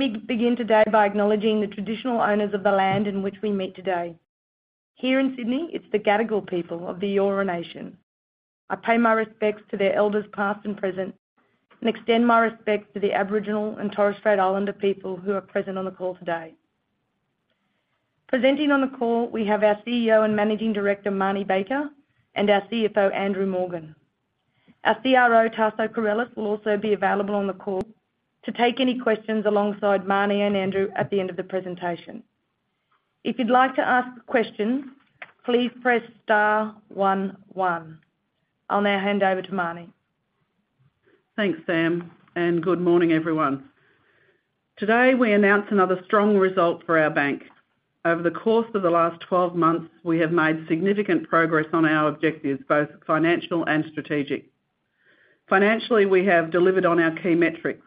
Let me begin today by acknowledging the traditional owners of the land in which we meet today. Here in Sydney, it's the Gadigal people of the Eora Nation. I pay my respects to their elders, past and present, and extend my respect to the Aboriginal and Torres Strait Islander people who are present on the call today. Presenting on the call, we have our CEO and Managing Director, Marnie Baker; and our CFO, Andrew Morgan. Our CRO, Taso Corolis, will also be available on the call to take any questions alongside Marnie and Andrew at the end of the presentation. If you'd like to ask questions, please press star one, one. I'll now hand over to Marnie. Thanks, Sam. Good morning, everyone. Today, we announce another strong result for our bank. Over the course of the last 12 months, we have made significant progress on our objectives, both financial and strategic. Financially, we have delivered on our key metrics.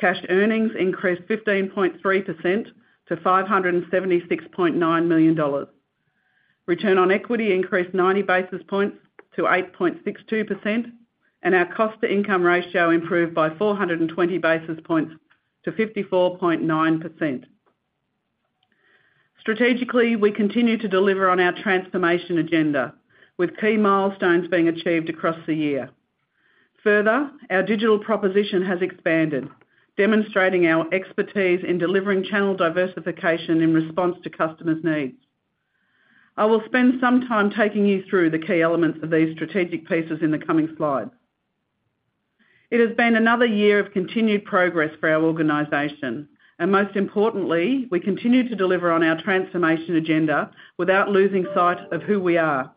Cash earnings increased 15.3% to 576.9 million dollars. Return on equity increased 90 basis points to 8.62%, and our cost-to-income ratio improved by 420 basis points to 54.9%. Strategically, we continue to deliver on our transformation agenda, with key milestones being achieved across the year. Further, our digital proposition has expanded, demonstrating our expertise in delivering channel diversification in response to customers' needs. I will spend some time taking you through the key elements of these strategic pieces in the coming slides. It has been another year of continued progress for our organization. Most importantly, we continue to deliver on our transformation agenda without losing sight of who we are.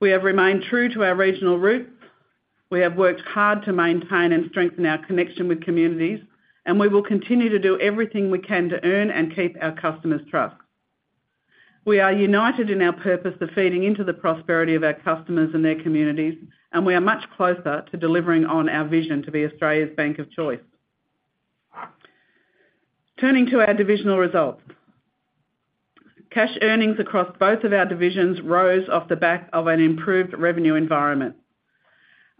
We have remained true to our regional roots, we have worked hard to maintain and strengthen our connection with communities. We will continue to do everything we can to earn and keep our customers' trust. We are united in our purpose of feeding into the prosperity of our customers and their communities. We are much closer to delivering on our vision to be Australia's bank of choice. Turning to our divisional results. Cash earnings across both of our divisions rose off the back of an improved revenue environment.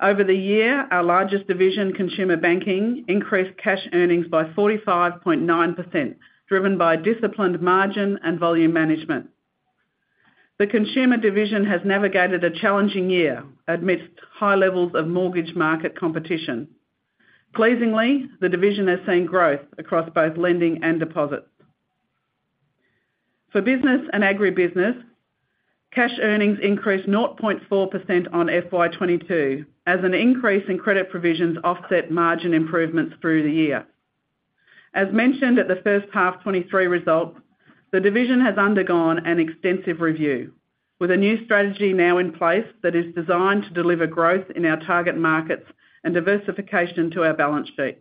Over the year, our largest division, consumer banking, increased cash earnings by 45.9%, driven by disciplined margin and volume management. The consumer division has navigated a challenging year amidst high levels of mortgage market competition. Pleasingly, the division has seen growth across both lending and deposits. For business and agribusiness, cash earnings increased 0.4% on FY22, as an increase in credit provisions offset margin improvements through the year. As mentioned at the first half 2023 results, the division has undergone an extensive review, with a new strategy now in place that is designed to deliver growth in our target markets and diversification to our balance sheet.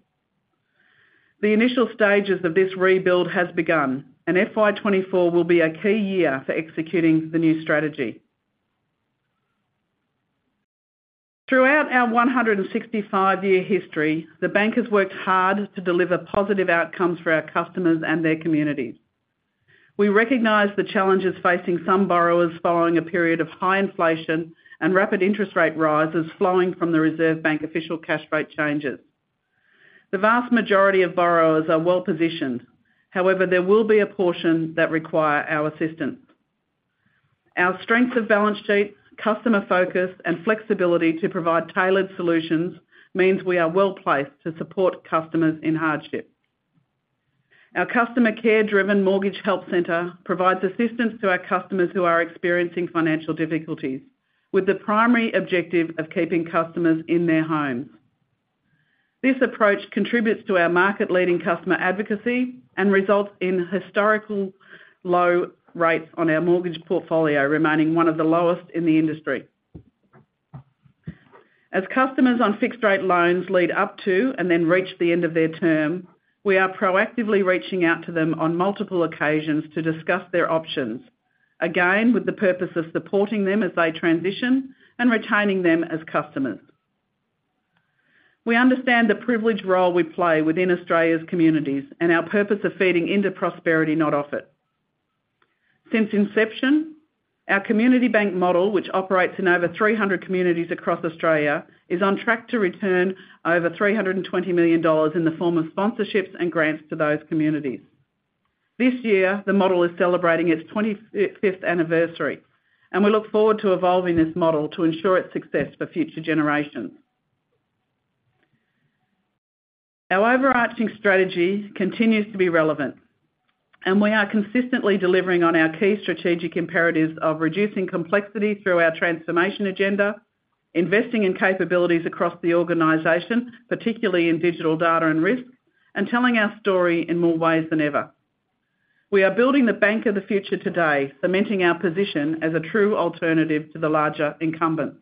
The initial stages of this rebuild has begun. FY24 will be a key year for executing the new strategy. Throughout our 165-year history, the bank has worked hard to deliver positive outcomes for our customers and their communities. We recognize the challenges facing some borrowers following a period of high inflation and rapid interest rate rises flowing from the Reserve Bank official cash rate changes. The vast majority of borrowers are well-positioned. However, there will be a portion that require our assistance. Our strength of balance sheets, customer focus, and flexibility to provide tailored solutions means we are well-placed to support customers in hardship. Our customer care-driven Mortgage Help Center provides assistance to our customers who are experiencing financial difficulties, with the primary objective of keeping customers in their homes. This approach contributes to our market-leading customer advocacy and results in historical low rates on our mortgage portfolio, remaining one of the lowest in the industry. As customers on fixed rate loans lead up to and then reach the end of their term, we are proactively reaching out to them on multiple occasions to discuss their options, again, with the purpose of supporting them as they transition and retaining them as customers. We understand the privileged role we play within Australia's communities and our purpose of feeding into prosperity, not off it. Since inception, our Community Bank Model, which operates in over 300 communities across Australia, is on track to return over 320 million dollars in the form of sponsorships and grants to those communities. This year, the model is celebrating its 25th anniversary, and we look forward to evolving this model to ensure its success for future generations. Our overarching strategy continues to be relevant, we are consistently delivering on our key strategic imperatives of reducing complexity through our transformation agenda, investing in capabilities across the organization, particularly in digital, data, and risk, and telling our story in more ways than ever. We are building the bank of the future today, cementing our position as a true alternative to the larger incumbents.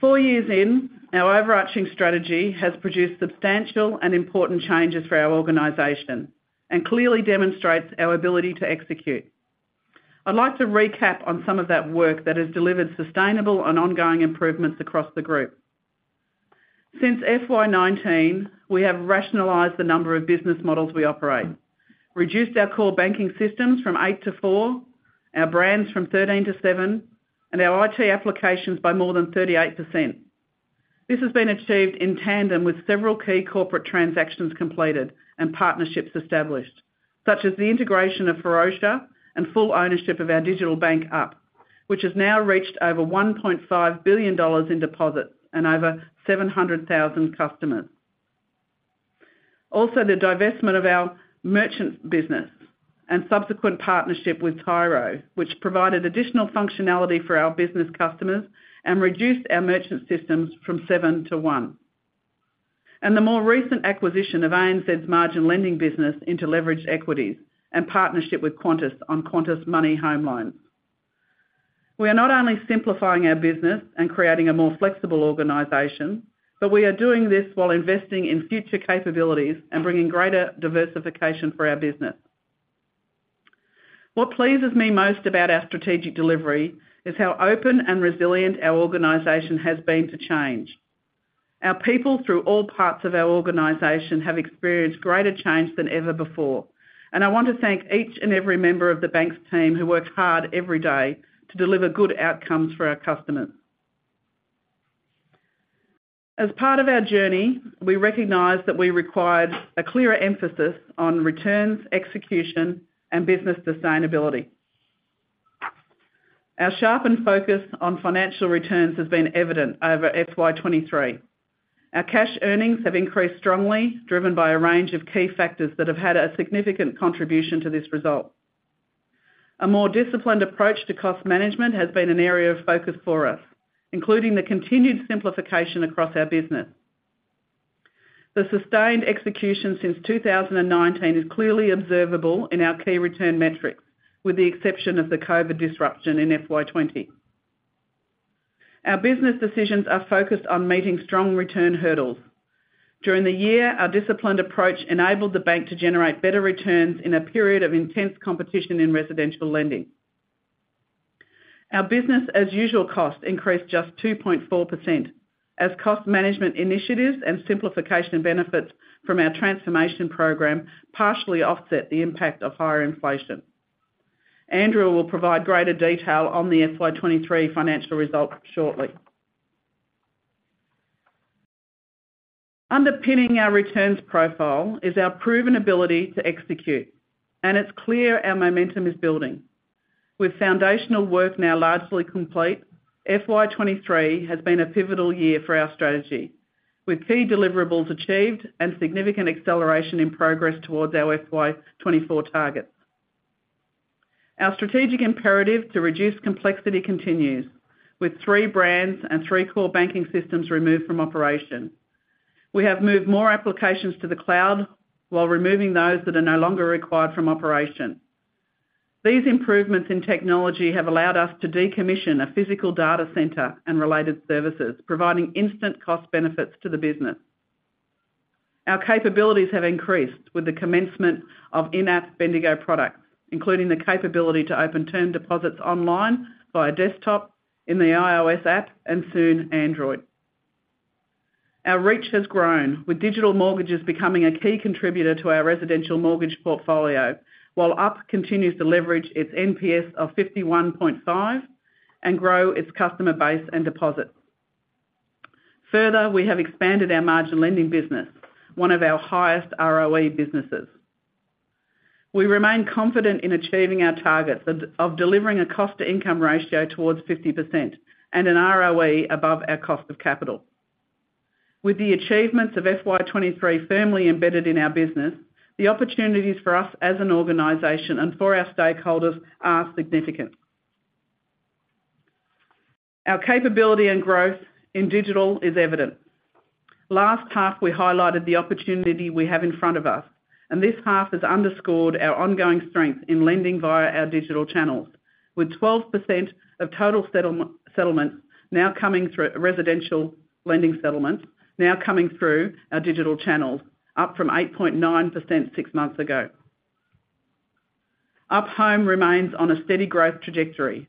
Four years in, our overarching strategy has produced substantial and important changes for our organization and clearly demonstrates our ability to execute. I'd like to recap on some of that work that has delivered sustainable and ongoing improvements across the group. Since FY2019, we have rationalized the number of business models we operate, reduced our core banking systems from eight to four, our brands from 13 to seven, and our IT applications by more than 38%. This has been achieved in tandem with several key corporate transactions completed and partnerships established, such as the integration of Ferocia and full ownership of our digital bank, Up, which has now reached over 1.5 billion dollars in deposits and over 700,000 customers. The divestment of our merchant business and subsequent partnership with Tyro, which provided additional functionality for our business customers and reduced our merchant systems from seven to one. The more recent acquisition of ANZ's margin lending business into Leveraged equities and partnership with Qantas on Qantas Money Home Loans. We are not only simplifying our business and creating a more flexible organization, but we are doing this while investing in future capabilities and bringing greater diversification for our business. What pleases me most about our strategic delivery is how open and resilient our organization has been to change. Our people, through all parts of our organization, have experienced greater change than ever before, and I want to thank each and every member of the Banks team who works hard every day to deliver good outcomes for our customers. As part of our journey, we recognized that we required a clearer emphasis on returns, execution, and business sustainability. Our sharpened focus on financial returns has been evident over FY2023. Our Cash Earnings have increased strongly, driven by a range of key factors that have had a significant contribution to this result. A more disciplined approach to cost management has been an area of focus for us, including the continued simplification across our business. The sustained execution since 2019 is clearly observable in our key return metrics, with the exception of the COVID disruption in FY2020. Our business decisions are focused on meeting strong return hurdles. During the year, our disciplined approach enabled the bank to generate better returns in a period of intense competition in residential lending. Our business as usual costs increased just 2.4%, as cost management initiatives and simplification benefits from our transformation program partially offset the impact of higher inflation. Andrew will provide greater detail on the FY2023 financial results shortly. Underpinning our returns profile is our proven ability to execute, and it's clear our momentum is building. With foundational work now largely complete, FY2023 has been a pivotal year for our strategy, with key deliverables achieved and significant acceleration in progress towards our FY2024 targets. Our strategic imperative to reduce complexity continues, with three brands and three core banking systems removed from operation. We have moved more applications to the cloud while removing those that are no longer required from operation. These improvements in technology have allowed us to decommission a physical data center and related services, providing instant cost benefits to the business. Our capabilities have increased with the commencement of in-app Bendigo products, including the capability to open term deposits online by a desktop, in the iOS app, and soon, Android. Our reach has grown, with digital mortgages becoming a key contributor to our residential mortgage portfolio, while Up continues to leverage its NPS of 51.5 and grow its customer base and deposits. Further, we have expanded our margin lending business, one of our highest ROE businesses. We remain confident in achieving our targets of delivering a cost-to-income ratio towards 50% and an ROE above our cost of capital. With the achievements of FY2023 firmly embedded in our business, the opportunities for us as an organization and for our stakeholders are significant. Our capability and growth in digital is evident. Last half, we highlighted the opportunity we have in front of us, and this half has underscored our ongoing strength in lending via our digital channels, with 12% of total settlements now coming through residential lending settlements now coming through our digital channels, up from 8.9% 6 months ago. Up Home remains on a steady growth trajectory,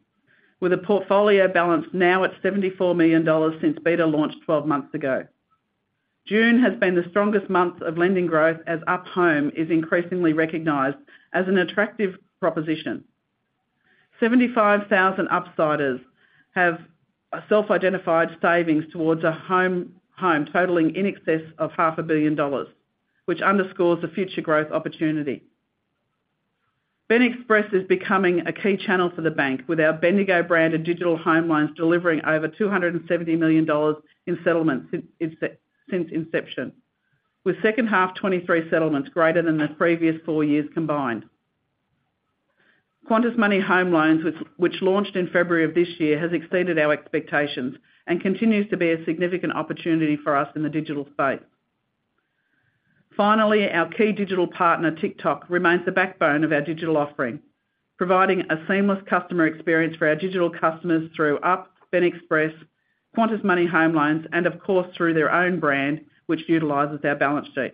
with a portfolio balance now at 74 million dollars since beta launch 12 months ago. June has been the strongest month of lending growth, as Up Home is increasingly recognized as an attractive proposition. 75,000 Upsiders have self-identified savings towards a home, home totaling in excess of 500 million dollars, which underscores the future growth opportunity. BEN Express is becoming a key channel for the bank, with our Bendigo brand and digital home loans delivering over 270 million dollars in settlements since inception, with second half 2023 settlements greater than the previous four years combined. Qantas Money Home Loans, which, which launched in February of this year, has exceeded our expectations and continues to be a significant opportunity for us in the digital space. Finally, our key digital partner, Tic:Toc, remains the backbone of our digital offering, providing a seamless customer experience for our digital customers through Up, BEN Express, Qantas Money Home Loans, and of course, through their own brand, which utilizes our balance sheet.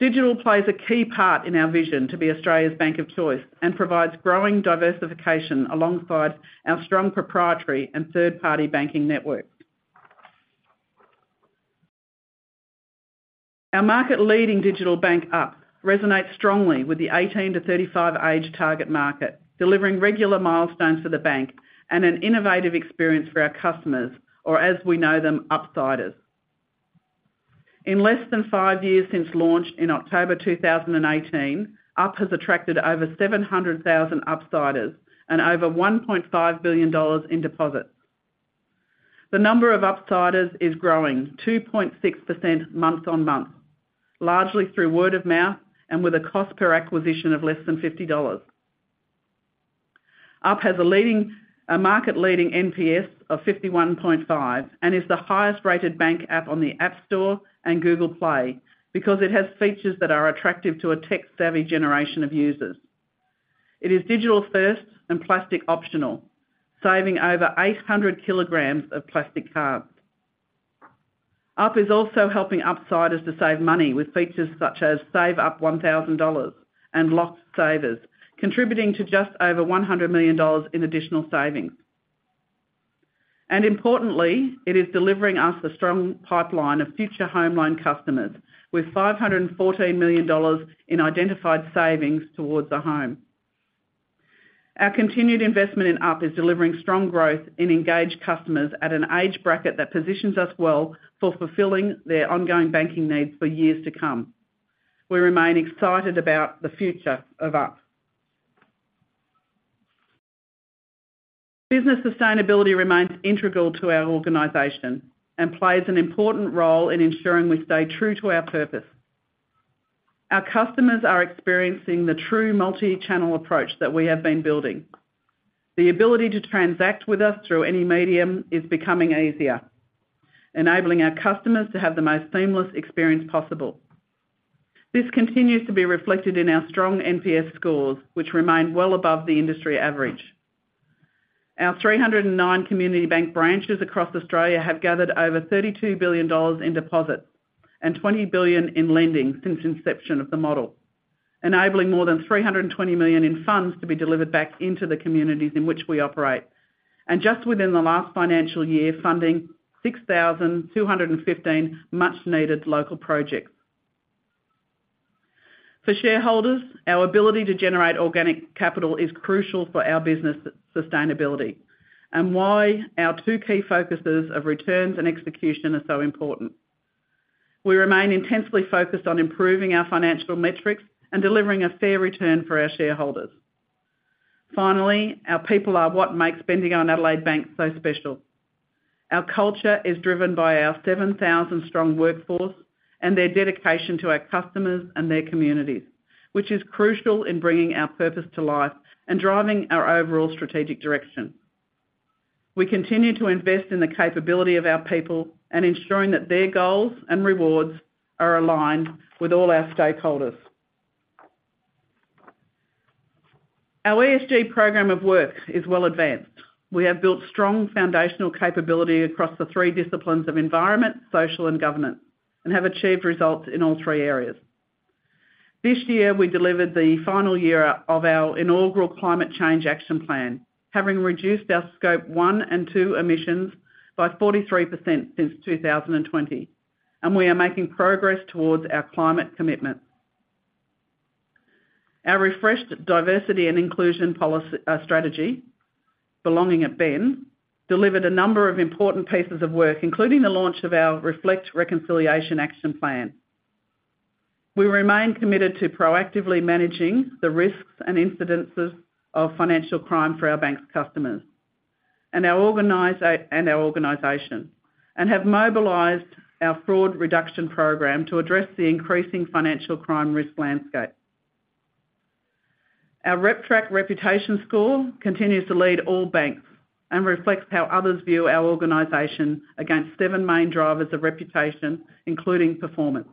Digital plays a key part in our vision to be Australia's bank of choice, provides growing diversification alongside our strong proprietary and third-party banking network. Our market-leading digital bank, Up, resonates strongly with the 18-35 age target market, delivering regular milestones for the bank and an innovative experience for our customers, or as we know them, Upsiders. In less than five years since launch in October 2018, Up has attracted over 700,000 Upsiders and over 1.5 billion dollars in deposits. The number of Upsiders is growing 2.6% month-on-month, largely through word of mouth and with a cost per acquisition of less than 50 dollars. Up has a market-leading NPS of 51.5, and is the highest-rated bank app on the App Store and Google Play, because it has features that are attractive to a tech-savvy generation of users. It is digital-first and plastic-optional, saving over 800 kilograms of plastic cards. Up is also helping Upsiders to save money with features such as Save Up 1,000 dollars and Locked Savers, contributing to just over 100 million dollars in additional savings. Importantly, it is delivering us a strong pipeline of future home loan customers, with 514 million dollars in identified savings towards a home. Our continued investment in Up is delivering strong growth in engaged customers at an age bracket that positions us well for fulfilling their ongoing banking needs for years to come. We remain excited about the future of Up. Business sustainability remains integral to our organization and plays an important role in ensuring we stay true to our purpose. Our customers are experiencing the true multi-channel approach that we have been building. The ability to transact with us through any medium is becoming easier, enabling our customers to have the most seamless experience possible. This continues to be reflected in our strong NPS scores, which remain well above the industry average. Our 309 Community Bank branches across Australia have gathered over 32 billion dollars in deposits and 20 billion in lending since inception of the model, enabling more than 320 million in funds to be delivered back into the communities in which we operate. Just within the last financial year, funding 6,215 much-needed local projects. For shareholders, our ability to generate organic capital is crucial for our business sustainability, and why our two key focuses of returns and execution are so important. We remain intensely focused on improving our financial metrics and delivering a fair return for our shareholders. Finally, our people are what makes Bendigo and Adelaide Bank so special. Our culture is driven by our 7,000-strong workforce and their dedication to our customers and their communities, which is crucial in bringing our purpose to life and driving our overall strategic direction. We continue to invest in the capability of our people and ensuring that their goals and rewards are aligned with all our stakeholders. Our ESG program of work is well advanced. We have built strong foundational capability across the three disciplines of environment, social, and governance, and have achieved results in all three areas. This year, we delivered the final year of our inaugural Climate Change Action Plan, having reduced our Scope 1 and 2 Emissions by 43% since 2020, and we are making progress towards our climate commitment. Our refreshed Diversity and Inclusion policy, Strategy, Belonging at BEN, delivered a number of important pieces of work, including the launch of our Reflect Reconciliation Action Plan. We remain committed to proactively managing the risks and incidences of financial crime for our bank's customers and our organization, and have mobilized our fraud reduction program to address the increasing financial crime risk landscape. Our RepTrak reputation score continues to lead all banks and reflects how others view our organization against seven main drivers of reputation, including performance.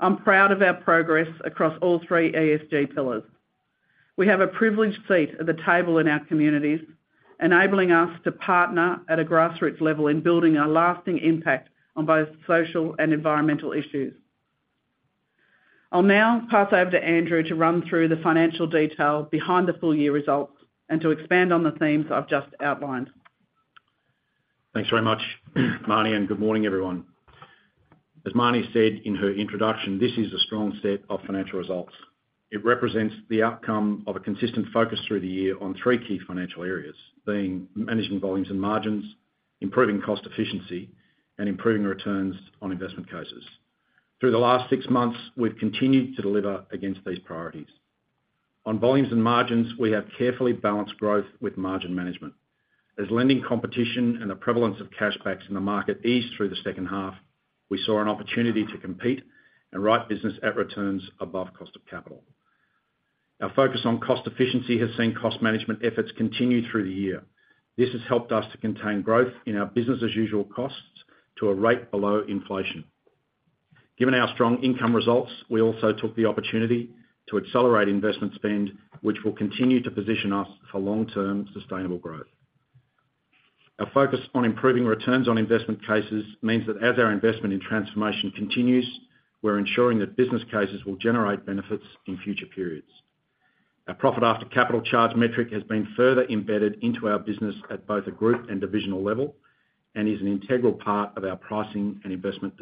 I'm proud of our progress across all three ESG pillars. We have a privileged seat at the table in our communities, enabling us to partner at a grassroots level in building a lasting impact on both social and environmental issues. I'll now pass over to Andrew to run through the financial detail behind the full year results and to expand on the themes I've just outlined. Thanks very much, Marnie, and good morning, everyone. As Marnie said in her introduction, this is a strong set of financial results. It represents the outcome of a consistent focus through the year on three key financial areas, being management volumes and margins, improving cost efficiency, and improving returns on investment cases. Through the last six months, we've continued to deliver against these priorities. On volumes and margins, we have carefully balanced growth with margin management. As lending competition and the prevalence of cash backs in the market eased through the second half, we saw an opportunity to compete and write business at returns above cost of capital. Our focus on cost efficiency has seen cost management efforts continue through the year. This has helped us to contain growth in our business-as-usual costs to a rate below inflation. Given our strong income results, we also took the opportunity to accelerate investment spend, which will continue to position us for long-term sustainable growth. Our focus on improving returns on investment cases means that as our investment in transformation continues, we're ensuring that business cases will generate benefits in future periods. Our Profit After Capital Charge metric has been further embedded into our business at both a group and divisional level, and is an integral part of our pricing and investment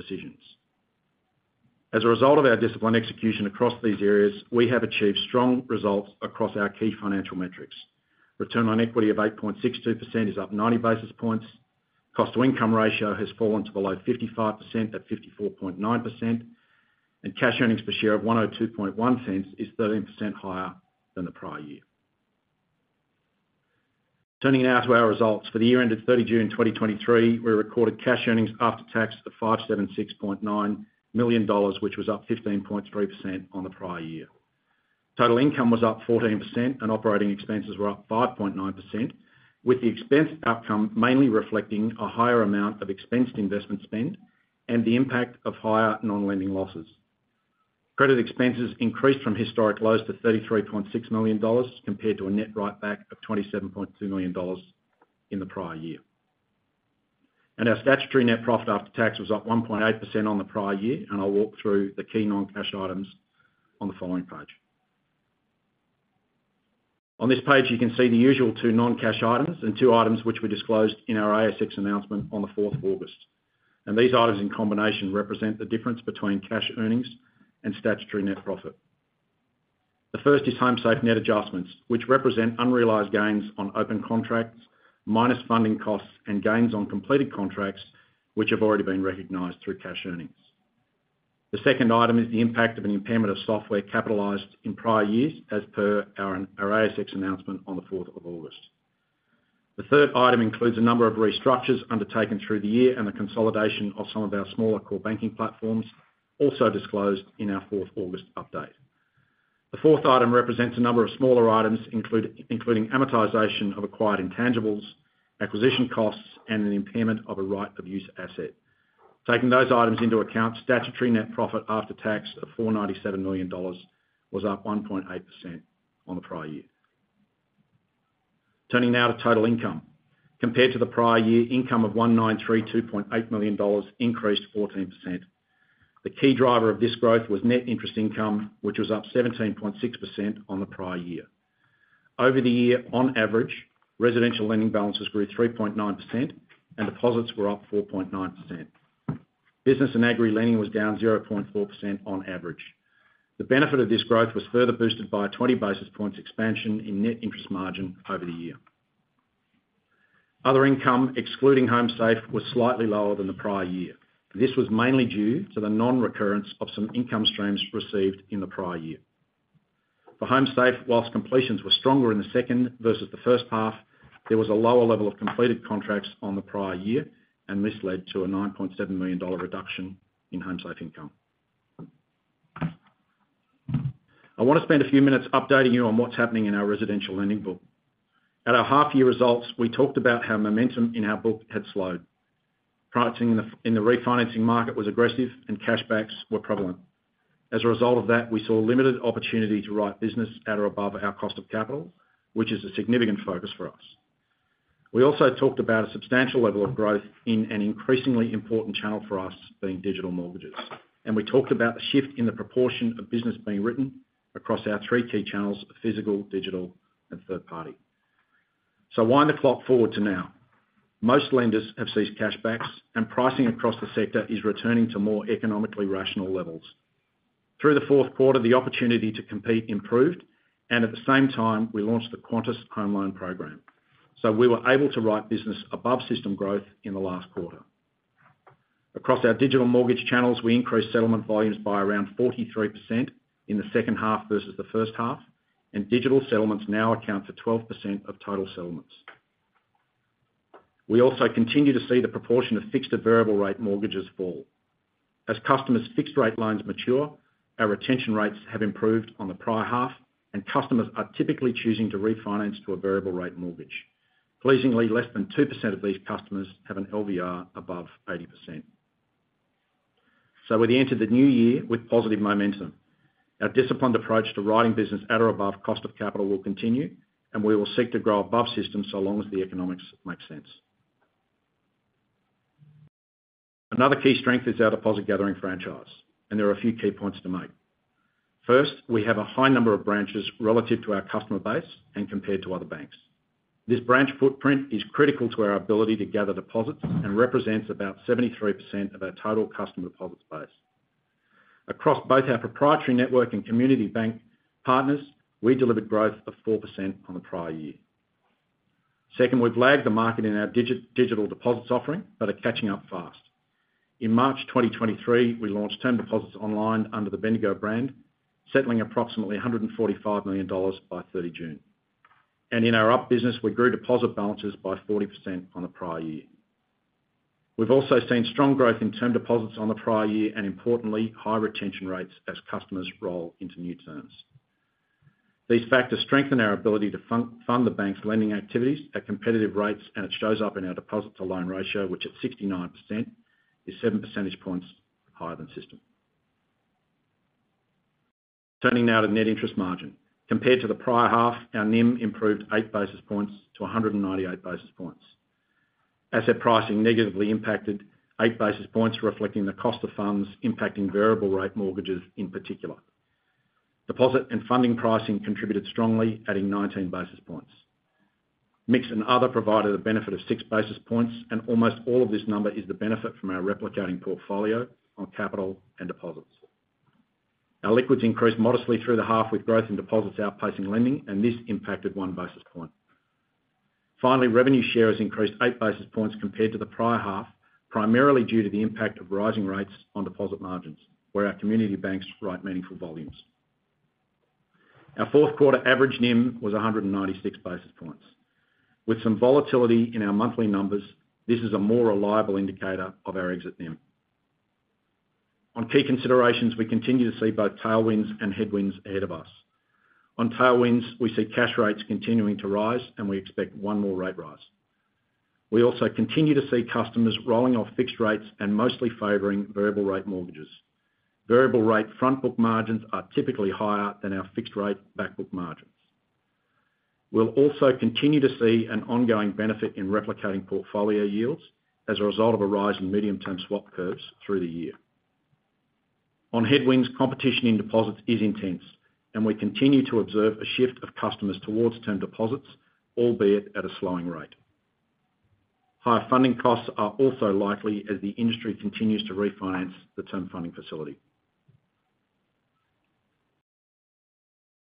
decisions. As a result of our disciplined execution across these areas, we have achieved strong results across our key financial metrics. Return on equity of 8.62% is up 90 basis points. Cost-to-Income Ratio has fallen to below 55%, at 54.9%. Cash Earnings per share of 1.021 is 13% higher than the prior year. Turning now to our results. For the year ended 30 June 2023, we recorded Cash Earnings after tax of 576.9 million dollars, which was up 15.3% on the prior year. Total income was up 14%, and operating expenses were up 5.9%, with the expense outcome mainly reflecting a higher amount of expensed investment spend and the impact of higher non-lending losses. Credit Expenses increased from historic lows to 33.6 million dollars, compared to a net write back of 27.2 million dollars in the prior year. Our statutory net profit after tax was up 1.8% on the prior year, and I'll walk through the key non-cash items on the following page. On this page, you can see the usual two non-cash items and two items which were disclosed in our ASX announcement on the 4th of August. These items, in combination, represent the difference between cash earnings and statutory net profit. The first is HomeSafe Net Adjustments, which represent unrealized gains on open contracts, minus funding costs and gains on completed contracts, which have already been recognized through cash earnings. The second item is the impact of an impairment of software capitalized in prior years, as per our ASX announcement on the 4th of August. The third item includes a number of restructures undertaken through the year and the consolidation of some of our smaller core banking platforms, also disclosed in our 4th August update. The 4th item represents a number of smaller items, including amortization of acquired intangibles, acquisition costs, and an impairment of a right of use asset. Taking those items into account, statutory net profit after tax of 497 million dollars was up 1.8% on the prior year. Turning now to total income. Compared to the prior year, income of 1,932.8 million dollars increased 14%. The key driver of this growth was net interest income, which was up 17.6% on the prior year. Over the year, on average, residential lending balances grew 3.9%, and deposits were up 4.9%. Business and agri lending was down 0.4% on average. The benefit of this growth was further boosted by a 20 basis points expansion in net interest margin over the year. Other income, excluding HomeSafe, was slightly lower than the prior year. This was mainly due to the non-recurrence of some income streams received in the prior year. For HomeSafe, whilst completions were stronger in the second versus the first half, there was a lower level of completed contracts on the prior year, this led to a 9.7 million dollar reduction in HomeSafe income. I want to spend a few minutes updating you on what's happening in our residential lending book. At our half year results, we talked about how momentum in our book had slowed. Pricing in the refinancing market was aggressive and cash backs were prevalent. As a result of that, we saw limited opportunity to write business at or above our cost of capital, which is a significant focus for us. We also talked about a substantial level of growth in an increasingly important channel for us, being digital mortgages. We talked about the shift in the proportion of business being written across our three key channels: physical, digital, and third party. Wind the clock forward to now. Most lenders have ceased cash backs, and pricing across the sector is returning to more economically rational levels. Through the fourth quarter, the opportunity to compete improved, and at the same time, we launched the Qantas home loan program. We were able to write business above system growth in the last quarter. Across our digital mortgage channels, we increased settlement volumes by around 43% in the second half versus the first half, and digital settlements now account for 12% of total settlements. We also continue to see the proportion of fixed to variable rate mortgages fall. As customers' fixed rate loans mature, our retention rates have improved on the prior half, and customers are typically choosing to refinance to a variable rate mortgage. Pleasingly, less than 2% of these customers have an LVR above 80%. We enter the new year with positive momentum. Our disciplined approach to writing business at or above cost of capital will continue, and we will seek to grow above system, so long as the economics make sense. Another key strength is our deposit gathering franchise, and there are a few key points to make. First, we have a high number of branches relative to our customer base and compared to other banks. This branch footprint is critical to our ability to gather deposits and represents about 73% of our total customer deposits base. Across both our proprietary network and Community Bank partners, we delivered growth of 4% on the prior year. Second, we've lagged the market in our digital deposits offering, but are catching up fast. In March 2023, we launched term deposits online under the Bendigo brand, settling approximately 145 million dollars by 30 June. And in our Up business, we grew deposit balances by 40% on the prior year. We've also seen strong growth in term deposits on the prior year, and importantly, high retention rates as customers roll into new terms. These factors strengthen our ability to fund the bank's lending activities at competitive rates. It shows up in our deposit-to-loan ratio, which at 69%, is 7 percentage points higher than system. Turning now to Net Interest Margin. Compared to the prior half, our NIM improved 8 basis points to 198 basis points. Asset pricing negatively impacted 8 basis points, reflecting the cost of funds, impacting variable rate mortgages in particular. Deposit and funding pricing contributed strongly, adding 19 basis points. Mix and other provided a benefit of 6 basis points. Almost all of this number is the benefit from our Replicating Portfolio on capital and deposits. Our liquids increased modestly through the half, with growth in deposits outpacing lending. This impacted 1 basis point. Finally, revenue share has increased 8 basis points compared to the prior half, primarily due to the impact of rising rates on deposit margins, where our community banks write meaningful volumes. Our fourth quarter average NIM was 196 basis points. With some volatility in our monthly numbers, this is a more reliable indicator of our exit NIM. On key considerations, we continue to see both tailwinds and headwinds ahead of us. On tailwinds, we see cash rates continuing to rise, and we expect one more rate rise. We also continue to see customers rolling off fixed rates and mostly favoring variable rate mortgages. Variable rate front book margins are typically higher than our fixed rate back book margins. We'll also continue to see an ongoing benefit in Replicating Portfolio yields as a result of a rise in medium-term swap curves through the year. On headwinds, competition in deposits is intense, and we continue to observe a shift of customers towards term deposits, albeit at a slowing rate. Higher funding costs are also likely as the industry continues to refinance the Term Funding Facility.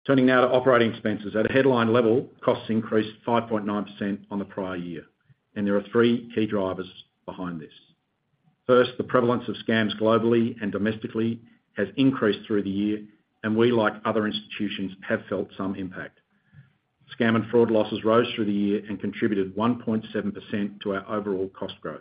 Turning now to operating expenses. At a headline level, costs increased 5.9% on the prior year, and there are three key drivers behind this. First, the prevalence of scams globally and domestically has increased through the year, and we, like other institutions, have felt some impact. Scam and fraud losses rose through the year and contributed 1.7% to our overall cost growth.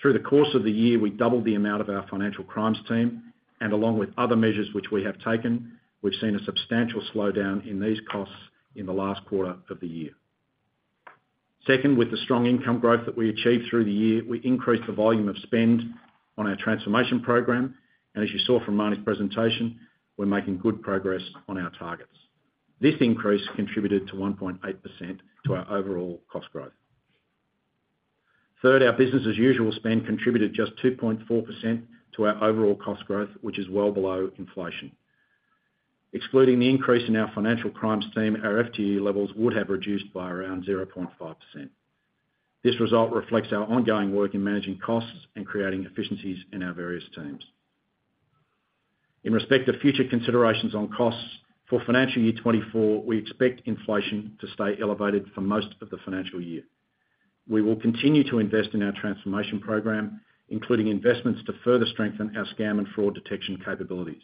Through the course of the year, we doubled the amount of our financial crimes team, and along with other measures which we have taken, we've seen a substantial slowdown in these costs in the last quarter of the year. Second, with the strong income growth that we achieved through the year, we increased the volume of spend on our transformation program, and as you saw from Marnie's presentation, we're making good progress on our targets. This increase contributed to 1.8% to our overall cost growth. Third, our business as usual spend contributed just 2.4% to our overall cost growth, which is well below inflation. Excluding the increase in our financial crimes team, our FTE levels would have reduced by around 0.5%. This result reflects our ongoing work in managing costs and creating efficiencies in our various teams. In respect to future considerations on costs, for financial year 2024, we expect inflation to stay elevated for most of the financial year. We will continue to invest in our transformation program, including investments to further strengthen our scam and fraud detection capabilities.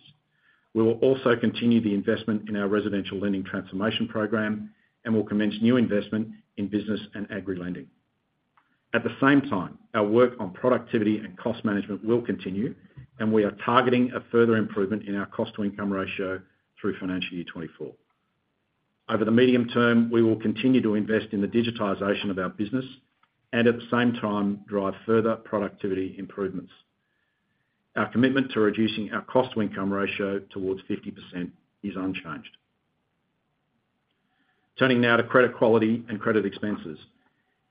We will also continue the investment in our residential lending transformation program, we will commence new investment in business and agri lending. At the same time, our work on productivity and cost management will continue. We are targeting a further improvement in our Cost-to-Income Ratio through financial year 2024. Over the medium term, we will continue to invest in the digitization of our business and at the same time, drive further productivity improvements. Our commitment to reducing our Cost-to-Income Ratio towards 50% is unchanged. Turning now to credit quality and credit expenses.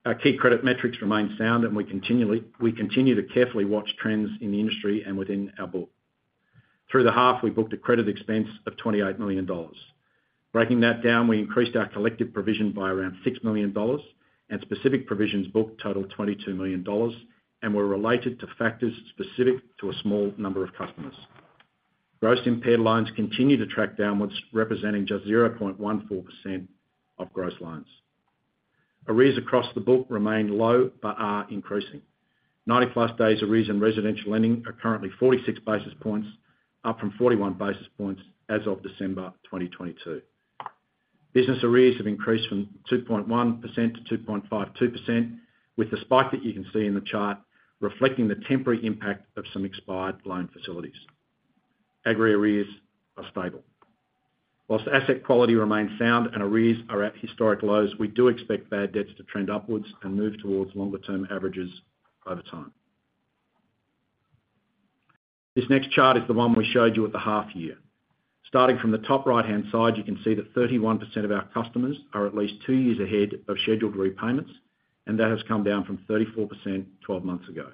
Our key credit metrics remain sound. We continue to carefully watch trends in the industry and within our book. Through the half, we booked a credit expense of 28 million dollars. Breaking that down, we increased our collective provision by around 6 million dollars, specific provisions booked totaled 22 million dollars and were related to factors specific to a small number of customers. Gross impaired loans continue to track downwards, representing just 0.14% of gross loans. Arrears across the book remain low but are increasing. 90-plus days arrears in residential lending are currently 46 basis points, up from 41 basis points as of December 2022. Business arrears have increased from 2.1% to 2.52%, with the spike that you can see in the chart reflecting the temporary impact of some expired loan facilities. Agri arrears are stable. Asset quality remains sound and arrears are at historic lows, we do expect bad debts to trend upwards and move towards longer-term averages over time. This next chart is the one we showed you at the half year. Starting from the top right-hand side, you can see that 31% of our customers are at least two years ahead of scheduled repayments, and that has come down from 34% 12 months ago.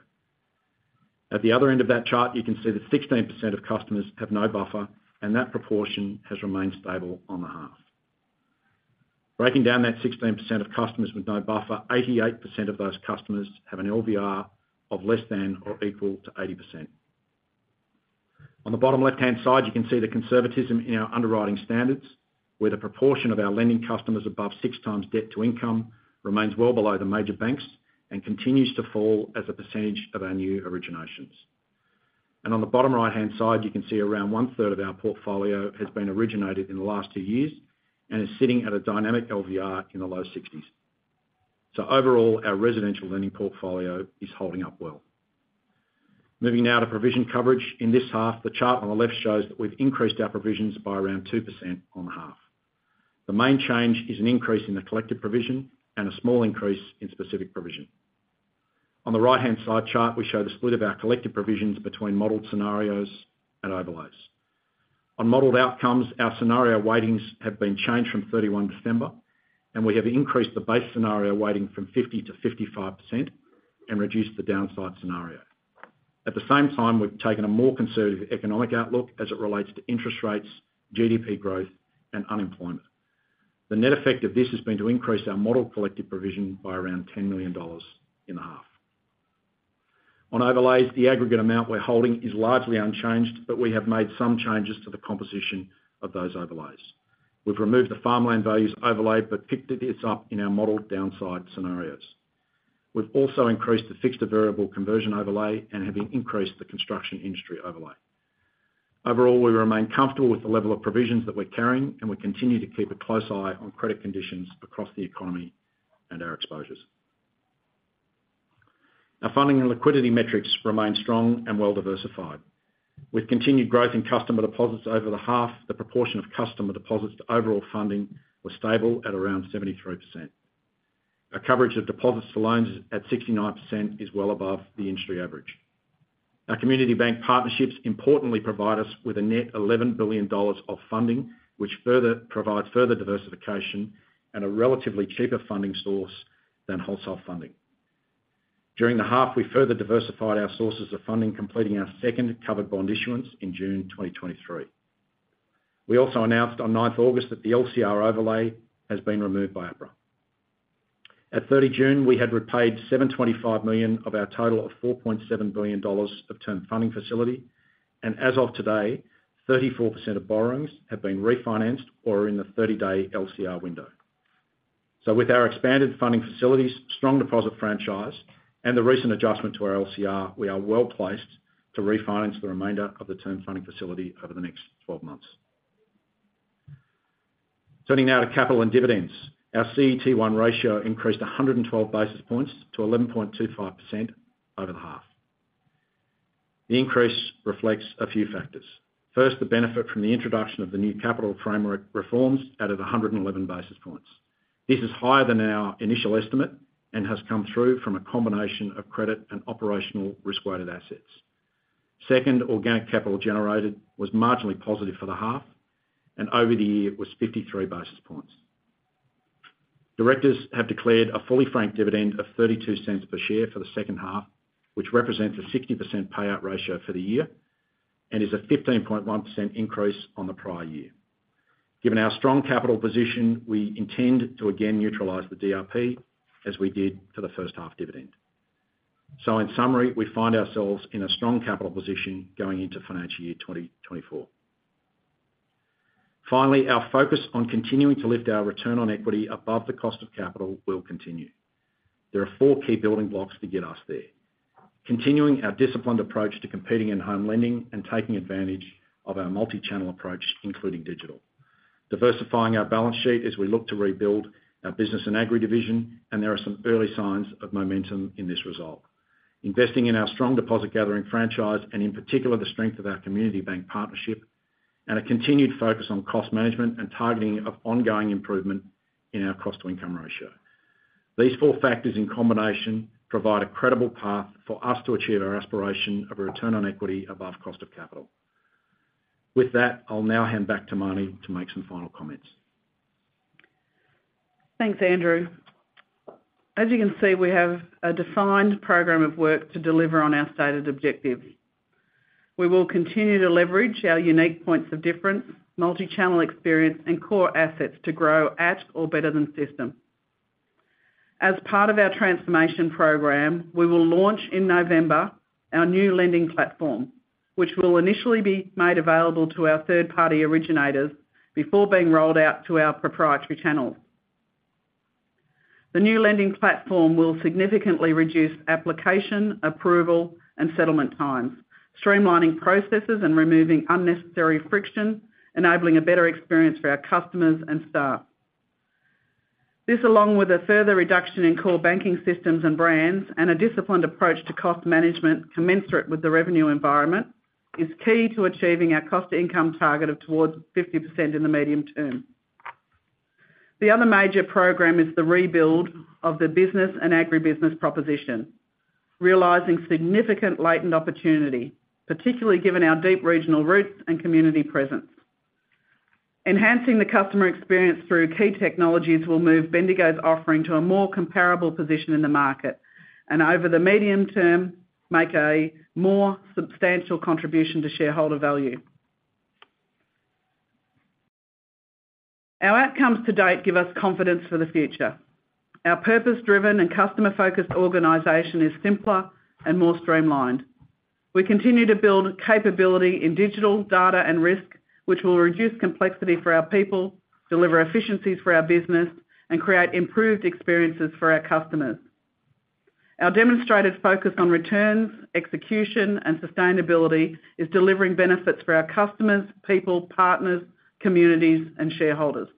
At the other end of that chart, you can see that 16% of customers have no buffer, and that proportion has remained stable on the half. Breaking down that 16% of customers with no buffer, 88% of those customers have an LVR of less than or equal to 80%. On the bottom left-hand side, you can see the conservatism in our underwriting standards, where the proportion of our lending customers above 6x Debt-to-Income remains well below the major banks and continues to fall as a percentage of our new originations. On the bottom right-hand side, you can see around one-third of our portfolio has been originated in the last two years and is sitting at a dynamic LVR in the low 60s. Overall, our residential lending portfolio is holding up well. Moving now to provision coverage. In this half, the chart on the left shows that we've increased our provisions by around 2% on half. The main change is an increase in the Collective Provision and a small increase in Specific Provision. On the right-hand side chart, we show the split of our Collective Provisions between modeled scenarios and overlays. On modeled outcomes, our scenario weightings have been changed from 31 December, and we have increased the base scenario weighting from 50%-55% and reduced the downside scenario. At the same time, we've taken a more conservative economic outlook as it relates to interest rates, GDP growth, and unemployment. The net effect of this has been to increase our model Collective Provision by around 10 million dollars in the half. On overlays, the aggregate amount we're holding is largely unchanged, but we have made some changes to the composition of those overlays. We've removed the farmland values overlay, but picked this up in our model downside scenarios. We've also increased the fixed to variable conversion overlay and have increased the construction industry overlay. Overall, we remain comfortable with the level of provisions that we're carrying, and we continue to keep a close eye on credit conditions across the economy and our exposures. Our funding and liquidity metrics remain strong and well-diversified. With continued growth in customer deposits over the half, the proportion of customer deposits to overall funding were stable at around 73%. Our coverage of deposits to loans is at 69%, is well above the industry average. Our Community Bank partnerships importantly provide us with a net 11 billion dollars of funding, which further provides further diversification and a relatively cheaper funding source than wholesale funding. During the half, we further diversified our sources of funding, completing our second Covered Bond issuance in June 2023. We also announced on ninth August that the LCR overlay has been removed by APRA. At 30 June, we had repaid 725 million of our total of 4.7 billion dollars of Term Funding Facility, and as of today, 34% of borrowings have been refinanced or are in the 30-day LCR window. With our expanded funding facilities, strong deposit franchise, and the recent adjustment to our LCR, we are well-placed to refinance the remainder of the Term Funding Facility over the next 12 months. Turning now to capital and dividends. Our CET1 ratio increased 112 basis points to 11.25% over the half. The increase reflects a few factors. First, the benefit from the introduction of the new capital framework reforms added 111 basis points. This is higher than our initial estimate and has come through from a combination of credit and operational risk-weighted assets. Second, organic capital generated was marginally positive for the half, and over the year, was 53 basis points. Directors have declared a fully franked dividend of 0.32 per share for the second half, which represents a 60% payout ratio for the year and is a 15.1% increase on the prior year. Given our strong capital position, we intend to again neutralize the DRP as we did for the first half dividend. In summary, we find ourselves in a strong capital position going into financial year 2024. Finally, our focus on continuing to lift our return on equity above the cost of capital will continue. There are four key building blocks to get us there: Continuing our disciplined approach to competing in home lending and taking advantage of our multi-channel approach, including digital. Diversifying our balance sheet as we look to rebuild our business and agri division, and there are some early signs of momentum in this result. Investing in our strong deposit gathering franchise, and in particular, the strength of our Community Bank partnership, and a continued focus on cost management and targeting of ongoing improvement in our Cost to Income ratio. These four factors in combination provide a credible path for us to achieve our aspiration of a Return on Equity above Cost of Capital. With that, I'll now hand back to Marnie to make some final comments. Thanks, Andrew. As you can see, we have a defined program of work to deliver on our stated objectives. We will continue to leverage our unique points of difference, multi-channel experience, and core assets to grow at or better than system. As part of our transformation program, we will launch in November our new lending platform, which will initially be made available to our third-party originators before being rolled out to our proprietary channels. The new lending platform will significantly reduce application, approval, and settlement times, streamlining processes and removing unnecessary friction, enabling a better experience for our customers and staff. This, along with a further reduction in core banking systems and brands, and a disciplined approach to cost management commensurate with the revenue environment, is key to achieving our cost to income target of towards 50% in the medium term. The other major program is the rebuild of the business and agribusiness proposition, realizing significant latent opportunity, particularly given our deep regional roots and community presence. Enhancing the customer experience through key technologies will move Bendigo's offering to a more comparable position in the market, and over the medium term, make a more substantial contribution to shareholder value. Our outcomes to date give us confidence for the future. Our purpose-driven and customer-focused organization is simpler and more streamlined. We continue to build capability in digital, data, and risk, which will reduce complexity for our people, deliver efficiencies for our business, and create improved experiences for our customers. Our demonstrated focus on returns, execution, and sustainability is delivering benefits for our customers, people, partners, communities, and shareholders.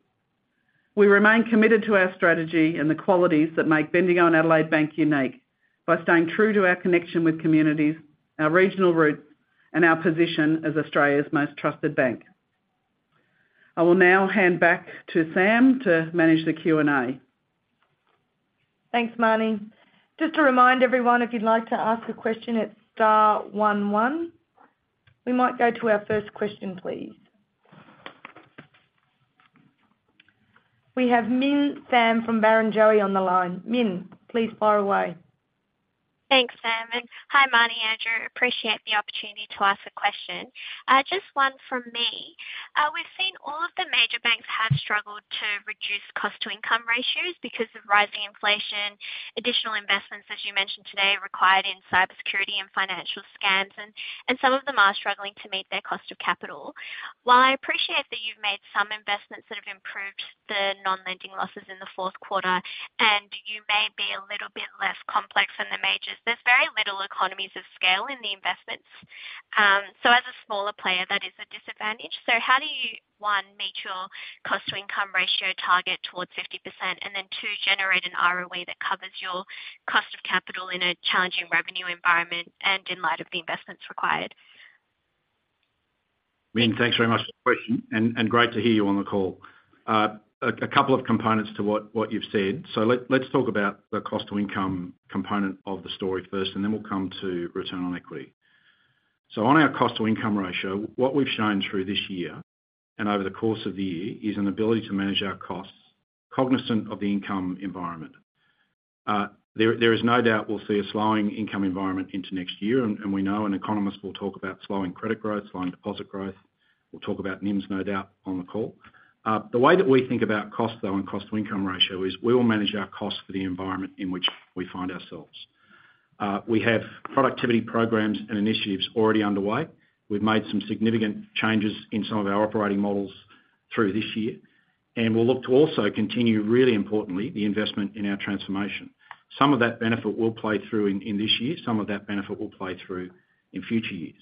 We remain committed to our strategy and the qualities that make Bendigo and Adelaide Bank unique by staying true to our connection with communities, our regional roots, and our position as Australia's most trusted bank. I will now hand back to Sam to manage the Q&A. Thanks, Marnie. Just to remind everyone, if you'd like to ask a question, it's star one, one. We might go to our first question, please. We have Minh Phamfrom Barrenjoey on the line. Min, please fire away. Thanks, Sam. Hi, Marnie, Andrew, appreciate the opportunity to ask a question. Just one from me. We've seen all of the major banks have struggled to reduce Cost-to-Income Ratios because of rising inflation, additional investments, as you mentioned today, required in cybersecurity and financial scams, and, and some of them are struggling to meet their Cost of Capital. While I appreciate that you've made some investments that have improved the non-lending losses in the fourth quarter, and you may be a little bit less complex than the majors, there's very little economies of scale in the investments. As a smaller player, that is a disadvantage. So how do you, one, meet your Cost-to-Income Ratio target towards 50%? And then, two, generate an ROE that covers your Cost of Capital in a challenging revenue environment and in light of the investments required? Min, thanks very much for the question, and great to hear you on the call. A couple of components to what you've said. Let's talk about the cost-to-income component of the story first, and then we'll come to return on equity. On our cost-to-income ratio, what we've shown through this year and over the course of the year, is an ability to manage our costs, cognizant of the income environment. There is no doubt we'll see a slowing income environment into next year, and we know, and economists will talk about slowing credit growth, slowing deposit growth. We'll talk about NIMs, no doubt, on the call. The way that we think about cost, though, and cost-to-income ratio is we will manage our costs for the environment in which we find ourselves. We have productivity programs and initiatives already underway. We've made some significant changes in some of our operating models through this year, and we'll look to also continue, really importantly, the investment in our transformation. Some of that benefit will play through in, in this year. Some of that benefit will play through in future years.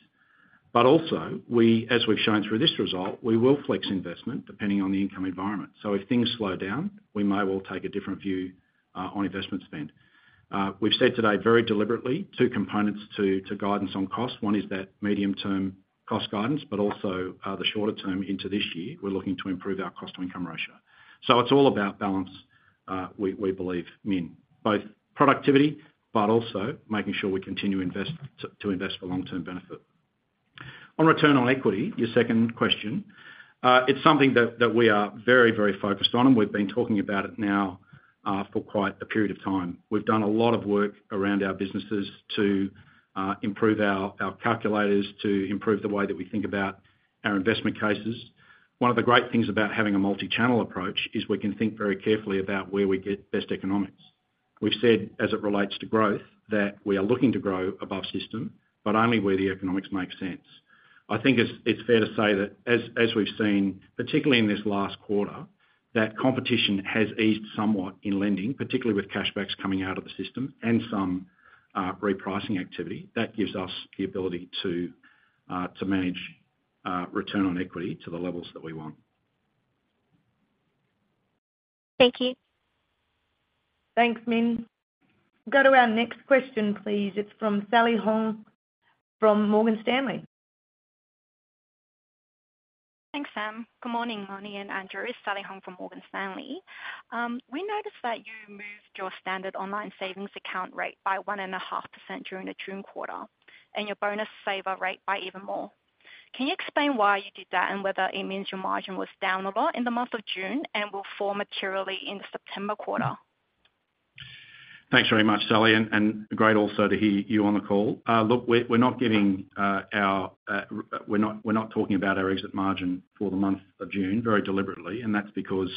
We, as we've shown through this result, we will flex investment depending on the income environment. If things slow down, we may well take a different view on investment spend. We've said today, very deliberately, two components to guidance on cost. One is that medium-term cost guidance, but also, the shorter term into this year, we're looking to improve our Cost-to-Income Ratio. It's all about balance, we, we believe, Min, both productivity, but also making sure we continue to invest for long-term benefit. On return on equity, your second question, it's something that, that we are very, very focused on, and we've been talking about it now, for quite a period of time. We've done a lot of work around our businesses to, improve our, our calculators, to improve the way that we think about our investment cases. One of the great things about having a multi-channel approach is we can think very carefully about where we get best economics. We've said, as it relates to growth, that we are looking to grow above system, but only where the economics make sense. I think it's, it's fair to say that as, as we've seen, particularly in this last quarter, that competition has eased somewhat in lending, particularly with cashbacks coming out of the system and some, repricing activity. That gives us the ability to, to manage, return on equity to the levels that we want. Thank you. Thanks, Min. Go to our next question, please. It's from Sally Hong, from Morgan Stanley. Thanks, Sam. Good morning, Marnie and Andrew. Sally Hong from Morgan Stanley. We noticed that you moved your standard online savings account rate by 1.5% during the June quarter, and your bonus saver rate by even more. Can you explain why you did that, and whether it means your margin was down a lot in the month of June and will fall materially in the September quarter? Thanks very much, Sally. Great also to hear you on the call. Look, we- we're not giving our r- we're not, we're not talking about our exit margin for the month of June, very deliberately, and that's because,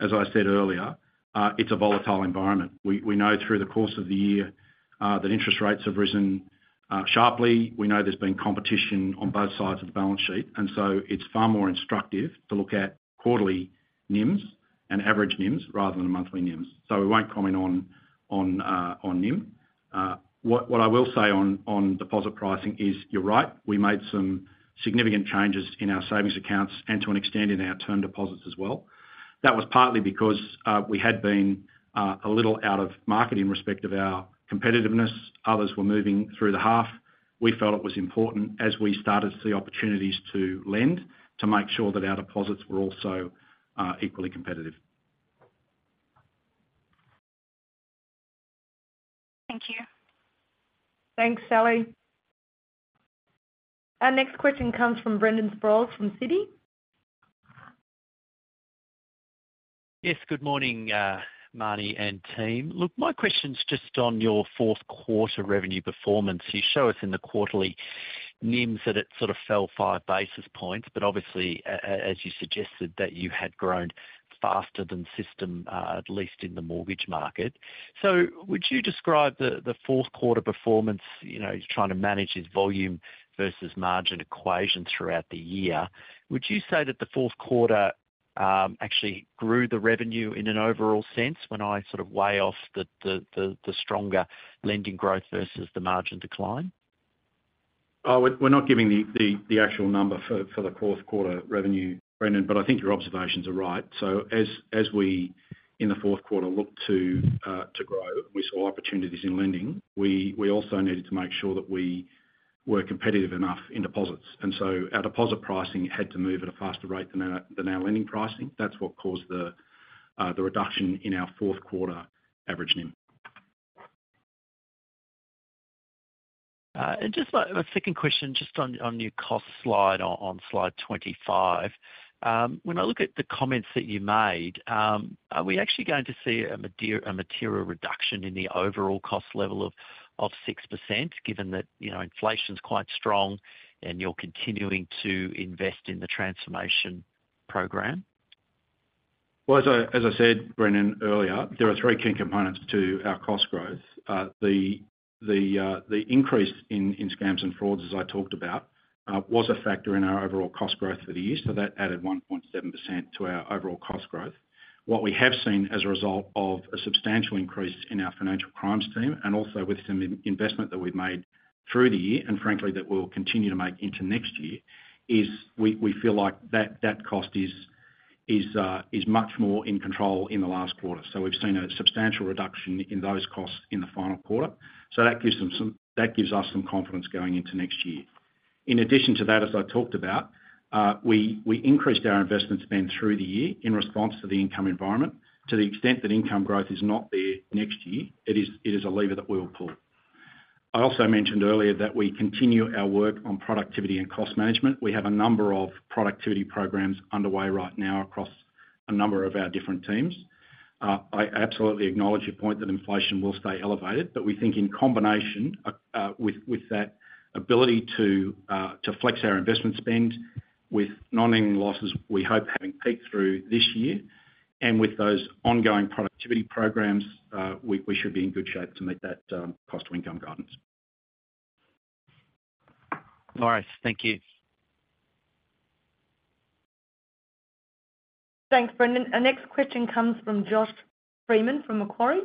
as I said earlier, it's a volatile environment. We, we know through the course of the year that interest rates have risen sharply. We know there's been competition on both sides of the balance sheet, so it's far more instructive to look at quarterly NIM and average NIM rather than a monthly NIM. We won't comment on, on, on NIM. What, what I will say on, on deposit pricing is, you're right, we made some significant changes in our savings accounts and to an extent, in our term deposits as well. That was partly because we had been a little out of market in respect of our competitiveness. Others were moving through the half. We felt it was important as we started to see opportunities to lend, to make sure that our deposits were also equally competitive. Thank you. Thanks, Sally. Our next question comes from Brendan Sproules, from Citi. Good morning, Marnie and team. Look, my question's just on your fourth quarter revenue performance. You show us in the quarterly NIMS that it sort of fell 5 basis points, obviously, as you suggested, that you had grown faster than system, at least in the mortgage market. Would you describe the, the fourth quarter performance, you know, as trying to manage this volume versus margin equation throughout the year? Would you say that the fourth quarter, actually grew the revenue in an overall sense, when I sort of weigh off the, the, the, the stronger lending growth versus the margin decline? Oh, we're, we're not giving the, the, the actual number for, for the fourth quarter revenue, Brendan, but I think your observations are right. As, as we, in the fourth quarter look to, to grow, we saw opportunities in lending. We, we also needed to make sure that we were competitive enough in deposits. Our deposit pricing had to move at a faster rate than our, than our lending pricing. That's what caused the, the reduction in our fourth quarter average NIM. Just like a second question, just on, on your cost slide, on, on slide 25. When I look at the comments that you made, are we actually going to see a material reduction in the overall cost level of, of 6%, given that, you know, inflation's quite strong, and you're continuing to invest in the transformation program? Well, as I, as I said, Brendan, earlier, there are three key components to our cost growth. The, the, the increase in, in scams and frauds, as I talked about, was a factor in our overall cost growth for the year. That added 1.7% to our overall cost growth. What we have seen as a result of a substantial increase in our financial crimes team, and also with some investment that we've made through the year, and frankly, that we'll continue to make into next year, is we, we feel like that, that cost is, is much more in control in the last quarter. We've seen a substantial reduction in those costs in the final quarter. That gives us some confidence going into next year. In addition to that, as I talked about, we, we increased our investment spend through the year in response to the income environment. To the extent that income growth is not there next year, it is, it is a lever that we will pull. I also mentioned earlier that we continue our work on productivity and cost management. We have a number of productivity programs underway right now across a number of our different teams. I absolutely acknowledge your point, that inflation will stay elevated, but we think in combination, with, with that ability to flex our investment spend, with non-ending losses, we hope having peaked through this year, and with those ongoing productivity programs, we, we should be in good shape to meet that cost-to-income guidance. All right. Thank you. Thanks, Brendan. Our next question comes from Josh Freiman from Macquarie.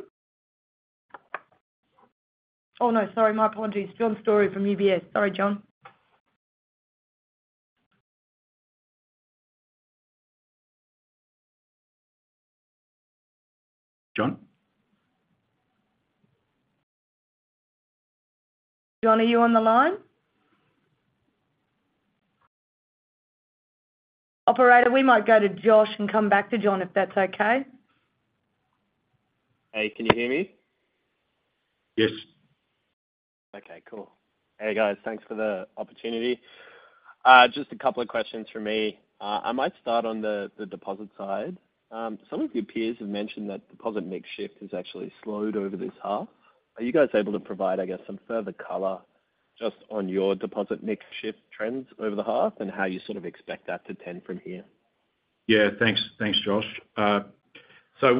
Oh, no, sorry, Mike Hodges, John Storey from UBS. Sorry, John. John? John, are you on the line? Operator, we might go to Josh and come back to John, if that's okay. Hey, can you hear me? Yes. Okay, cool. Hey, guys, thanks for the opportunity. Just a couple of questions from me. I might start on the deposit side. Some of your peers have mentioned that deposit mix shift has actually slowed over this half. Are you guys able to provide, I guess, some further color just on your deposit mix shift trends over the half, and how you sort of expect that to tend from here? Yeah, thanks. Thanks, Josh.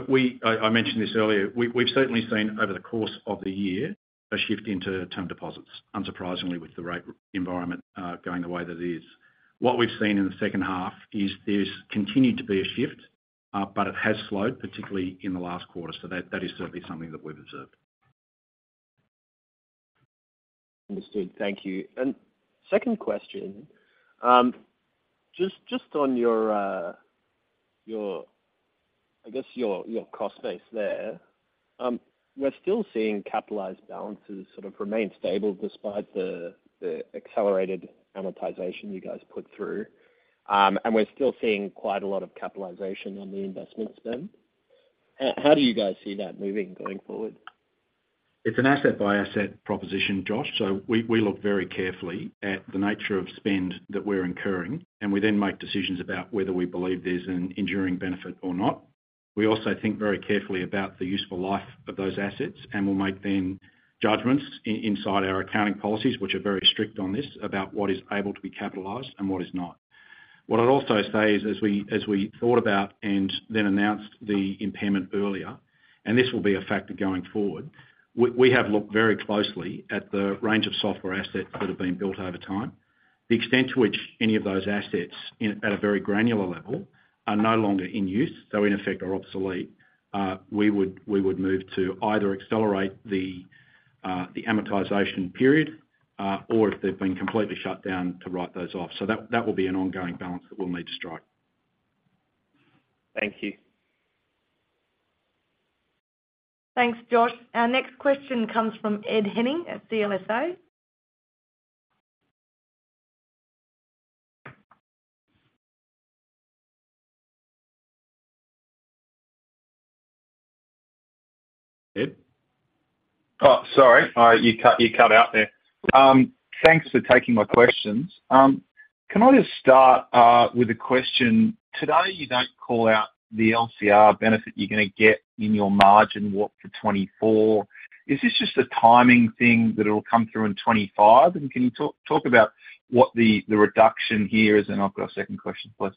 We. I, I mentioned this earlier. We, we've certainly seen over the course of the year, a shift into term deposits, unsurprisingly, with the rate environment, going the way that it is. What we've seen in the second half is there's continued to be a shift, but it has slowed, particularly in the last quarter. That, that is certainly something that we've observed. Understood. Thank you. Second question, just, just on your, your, I guess your, your cost base there, we're still seeing capitalized balances sort of remain stable despite the, the accelerated amortization you guys put through. We're still seeing quite a lot of capitalization on the investment spend. How do you guys see that moving going forward? It's an asset-by-asset proposition, Josh. We, we look very carefully at the nature of spend that we're incurring, and we then make decisions about whether we believe there's an enduring benefit or not. We also think very carefully about the useful life of those assets, and we'll make then judgments inside our accounting policies, which are very strict on this, about what is able to be capitalized and what is not. What I'd also say is, as we, as we thought about and then announced the impairment earlier, and this will be a factor going forward, we, we have looked very closely at the range of software assets that have been built over time. The extent to which any of those assets in, at a very granular level, are no longer in use, so in effect, are obsolete, we would, we would move to either accelerate the, the amortization period, or if they've been completely shut down, to write those off. That, that will be an ongoing balance that we'll need to strike. Thank you. Thanks, Josh. Our next question comes from Ed Henning at CLSA. Ed? Oh, sorry. You cut, you cut out there. Thanks for taking my questions. Can I just start with a question? Today, you don't call out the LCR benefit you're gonna get in your margin walk for 2024. Is this just a timing thing that it'll come through in 2025? Can you talk, talk about what the, the reduction here is? I've got a second question, please.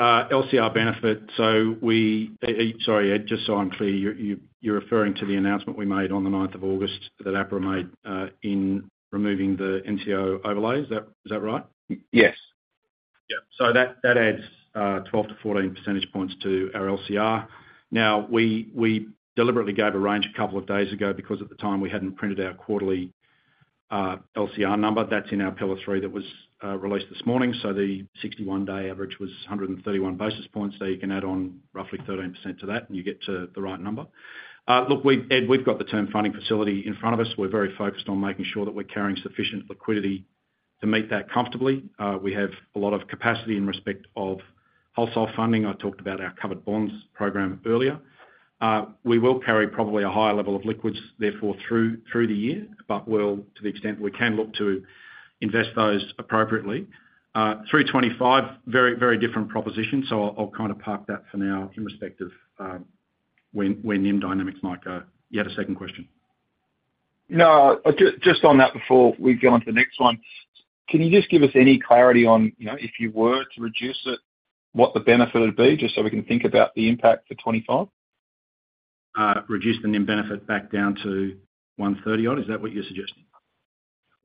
LCR benefit. Sorry, Ed, just so I'm clear, you're referring to the announcement we made on the ninth of August, that APRA made, in removing the NTO overlay. Is that right? Yes. Yeah. That, that adds 12-14 percentage points to our LCR. Now, we, we deliberately gave a range a couple of days ago, because at the time, we hadn't printed our quarterly LCR number. That's in our Pillar 3 that was released this morning. The 61-day average was 131 basis points. You can add on roughly 13% to that, and you get to the right number. Look, we've-- Ed, we've got the Term Funding Facility in front of us. We're very focused on making sure that we're carrying sufficient liquidity to meet that comfortably. We have a lot of capacity in respect of wholesale funding. I talked about our Covered Bonds program earlier. We will carry probably a higher level of liquids, therefore, through, through the year, but we'll, to the extent we can look to invest those appropriately. 325, very, very different propositions, so I'll, I'll kind of park that for now in respect of where, where NIM dynamics might go. You had a second question? No, just on that, before we go on to the next one, can you just give us any clarity on, you know, if you were to reduce it, what the benefit would be? Just so we can think about the impact for 25. Reduce the NIM benefit back down to 130 odd. Is that what you're suggesting?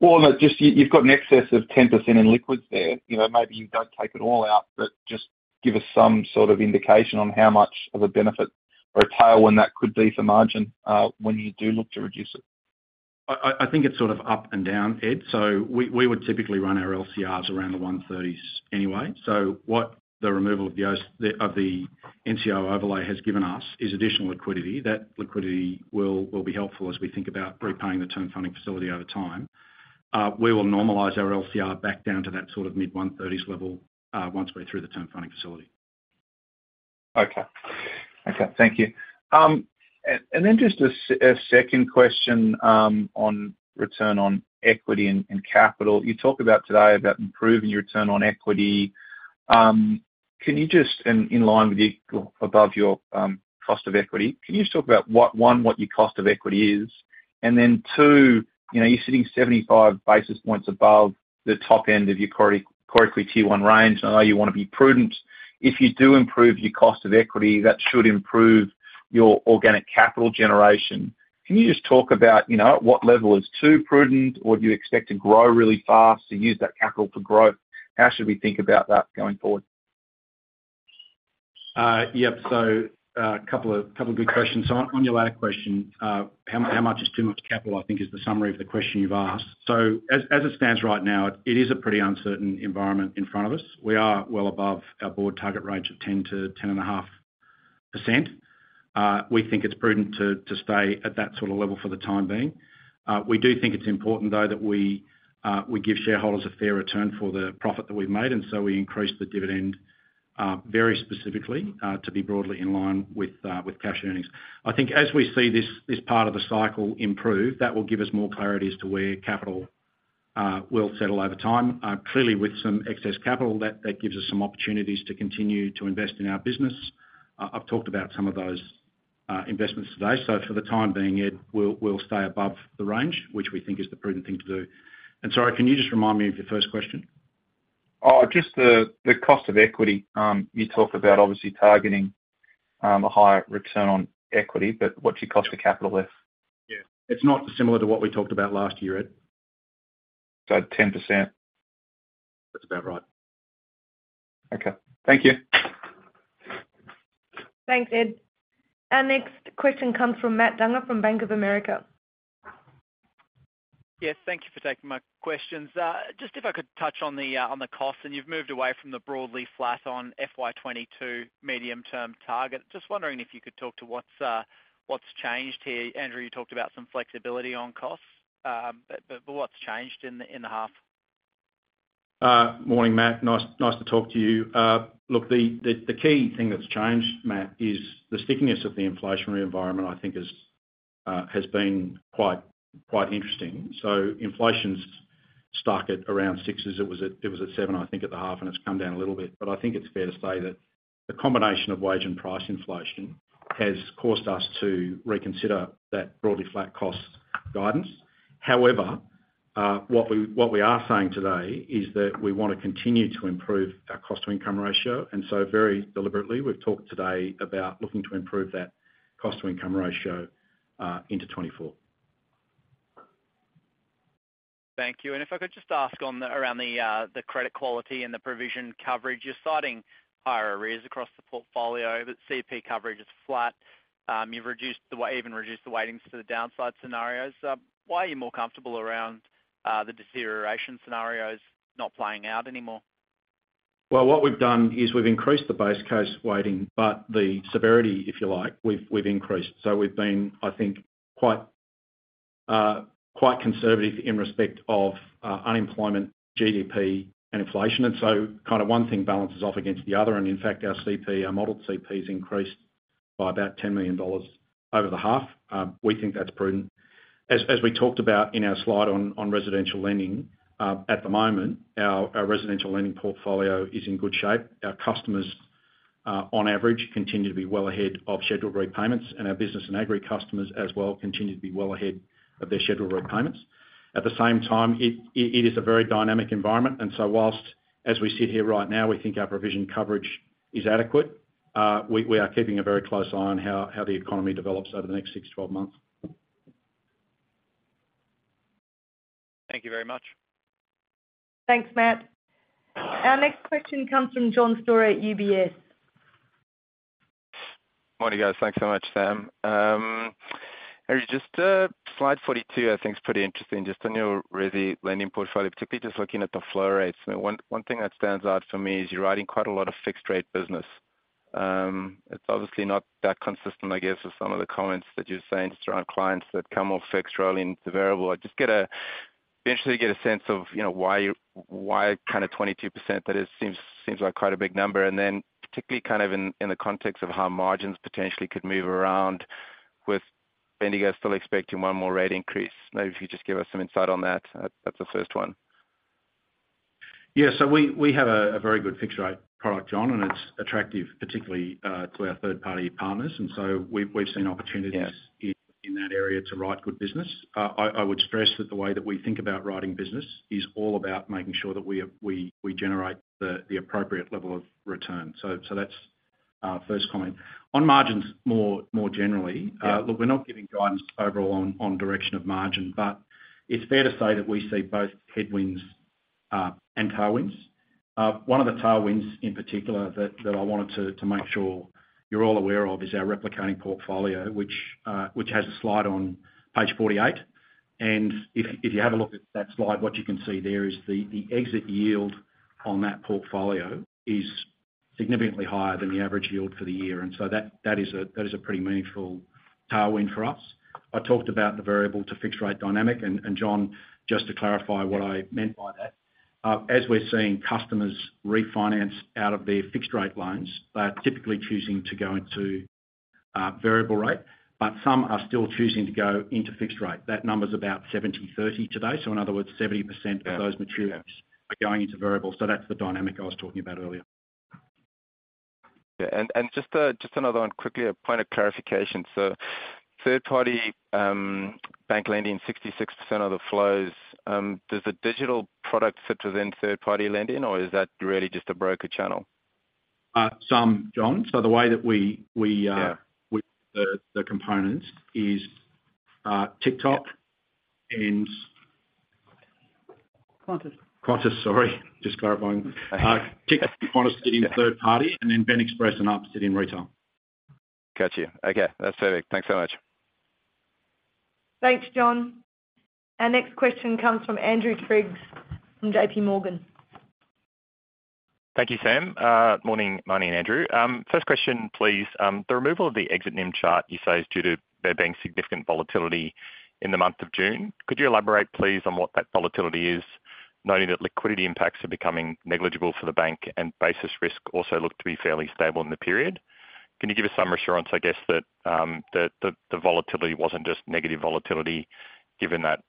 Well, look, just you, you've got an excess of 10% in liquids there. You know, maybe you don't take it all out, but just give us some sort of indication on how much of a benefit or a tailwind that could be for margin, when you do look to reduce it. I think it's sort of up and down, Ed. We would typically run our LCRs around the 130s anyway. What the removal of the NTO overlay has given us is additional liquidity. That liquidity will be helpful as we think about prepaying the Term Funding Facility over time. We will normalize our LCR back down to that sort of mid-130s level once we're through the Term Funding Facility. Okay. Okay, thank you. Then just a second question on return on equity and capital. You talked about today about improving your return on equity. Can you just in line with the, above your cost of equity, can you just talk about what one, what your cost of equity is? Then, two, you know, you're sitting 75 basis points above the top end of your core, core equity tier one range, I know you wanna be prudent. If you do improve your cost of equity, that should improve your organic capital generation. Can you just talk about, you know, what level is too prudent, or do you expect to grow really fast and use that capital to grow? How should we think about that going forward? Yep. Couple of, couple of good questions. On, on your latter question, how much is too much capital, I think, is the summary of the question you've asked. As, as it stands right now, it is a pretty uncertain environment in front of us. We are well above our board target range of 10%-10.5%. We think it's prudent to, to stay at that sort of level for the time being. We do think it's important, though, that we give shareholders a fair return for the profit that we've made, and so we increase the dividend very specifically to be broadly in line with Cash Earnings. I think as we see this, this part of the cycle improve, that will give us more clarity as to where capital, will settle over time. Clearly, with some excess capital, that, that gives us some opportunities to continue to invest in our business. I've talked about some of those, investments today. For the time being, Ed, we'll, we'll stay above the range, which we think is the prudent thing to do. Sorry, can you just remind me of your first question? Just the, the cost of equity. You talked about obviously targeting a higher return on equity, but what's your Cost of Capital, Ed? Yeah. It's not dissimilar to what we talked about last year, Ed. 10%? That's about right. Okay. Thank you. Thanks, Ed. Our next question comes from Matt Dunger, from Bank of America. Yes, thank you for taking my questions. Just if I could touch on the on the costs. You've moved away from the broadly flat on FY2022 medium-term target. Just wondering if you could talk to what's what's changed here. Andrew, you talked about some flexibility on costs, but what's changed in the in the half? Morning, Matt. Nice, nice to talk to you. Look, the, the, the key thing that's changed, Matt, is the stickiness of the inflationary environment, I think is, has been quite, quite interesting. Inflation's stuck at around six, as it was at, it was at seven, I think, at the half, and it's come down a little bit. I think it's fair to say that the combination of wage and price inflation has caused us to reconsider that broadly flat cost guidance. However, what we, what we are saying today is that we want to continue to improve our Cost-to-Income Ratio, very deliberately, we've talked today about looking to improve that Cost-to-Income Ratio, into 2024. Thank you. If I could just ask on the around the credit quality and the provision coverage. You're citing higher arrears across the portfolio, but CP coverage is flat. You've even reduced the weightings to the downside scenarios. Why are you more comfortable around the deterioration scenarios not playing out anymore? What we've done is we've increased the base case weighting, but the severity, if you like, we've, we've increased. We've been, I think, quite conservative in respect of unemployment, GDP, and inflation. Kind of one thing balances off against the other, and in fact, our CP, our modeled CP has increased by about 10 million dollars over the half. We think that's prudent. As, as we talked about in our slide on, on residential lending, at the moment, our, our residential lending portfolio is in good shape. Our customers on average, continue to be well ahead of scheduled repayments, and our business and agri customers as well, continue to be well ahead of their scheduled repayments. At the same time, it is a very dynamic environment, and so whilst as we sit here right now, we think our provision coverage is adequate, we are keeping a very close eye on how the economy develops over the next six to 12 months. Thank you very much. Thanks, Matt. Our next question comes from John Storey at UBS. Morning, guys. Thanks so much, Sam. Just slide 42 I think is pretty interesting. Just on your resi lending portfolio, particularly just looking at the flow rates. 1 thing that stands out for me is you're writing quite a lot of fixed rate business. It's obviously not that consistent, I guess, with some of the comments that you're saying around clients that come off fixed rolling into variable. Basically get a sense of, you know, why, why kind of 22%? That is, seems, seems like quite a big number. Then particularly kind of in, in the context of how margins potentially could move around with Bendigo still expecting 1 more rate increase. Maybe if you just give us some insight on that. That, that's the first one. We, we have a, a very good fixed rate product, John, and it's attractive, particularly, to our third-party partners, and so we've, we've seen opportunities in, in that area to write good business. I would stress that the way that we think about writing business is all about making sure that we, we generate the, the appropriate level of return. That's our first comment. On margins more, more generally look, we're not giving guidance overall on, on direction of margin, but it's fair to say that we see both headwinds and tailwinds. One of the tailwinds, in particular, that, that I wanted to, to make sure you're all aware of, is our replicating portfolio, which, which has a slide on page 48. If, if you have a look at that slide, what you can see there is the, the exit yield on that portfolio is significantly higher than the average yield for the year, and so that, that is a, that is a pretty meaningful tailwind for us. I talked about the variable to fixed rate dynamic, John, just to clarify what I meant by that, as we're seeing customers refinance out of their fixed rate loans, they're typically choosing to go into variable rate, but some are still choosing to go into fixed rate. That number's about 70/30 today. In other words, 70% of those materials are going into variable. That's the dynamic I was talking about earlier. Yeah, just a, just another one quickly, a point of clarification. Third party, bank lending, 66% of the flows, does the digital product sit within third party lending, or is that really just a broker channel? some, John. The way that we, we. Yeah We, the, the components is Tic:Toc and- Qantas. Qantas, sorry, just clarifying. Okay. Tic:Toc, Qantas sit in third party, and then BEN Express and Up sit in retail. Got you. Okay, that's perfect. Thanks so much. Thanks, John. Our next question comes from Andrew Triggs from J.P. Morgan. Thank you, Sam. Morning, Marnie and Andrew. First question, please. The removal of the exit NIM chart you say is due to there being significant volatility in the month of June. Could you elaborate, please, on what that volatility is, knowing that liquidity impacts are becoming negligible for the bank and basis risk also looked to be fairly stable in the period? Can you give us some reassurance, I guess, that the volatility wasn't just negative volatility given that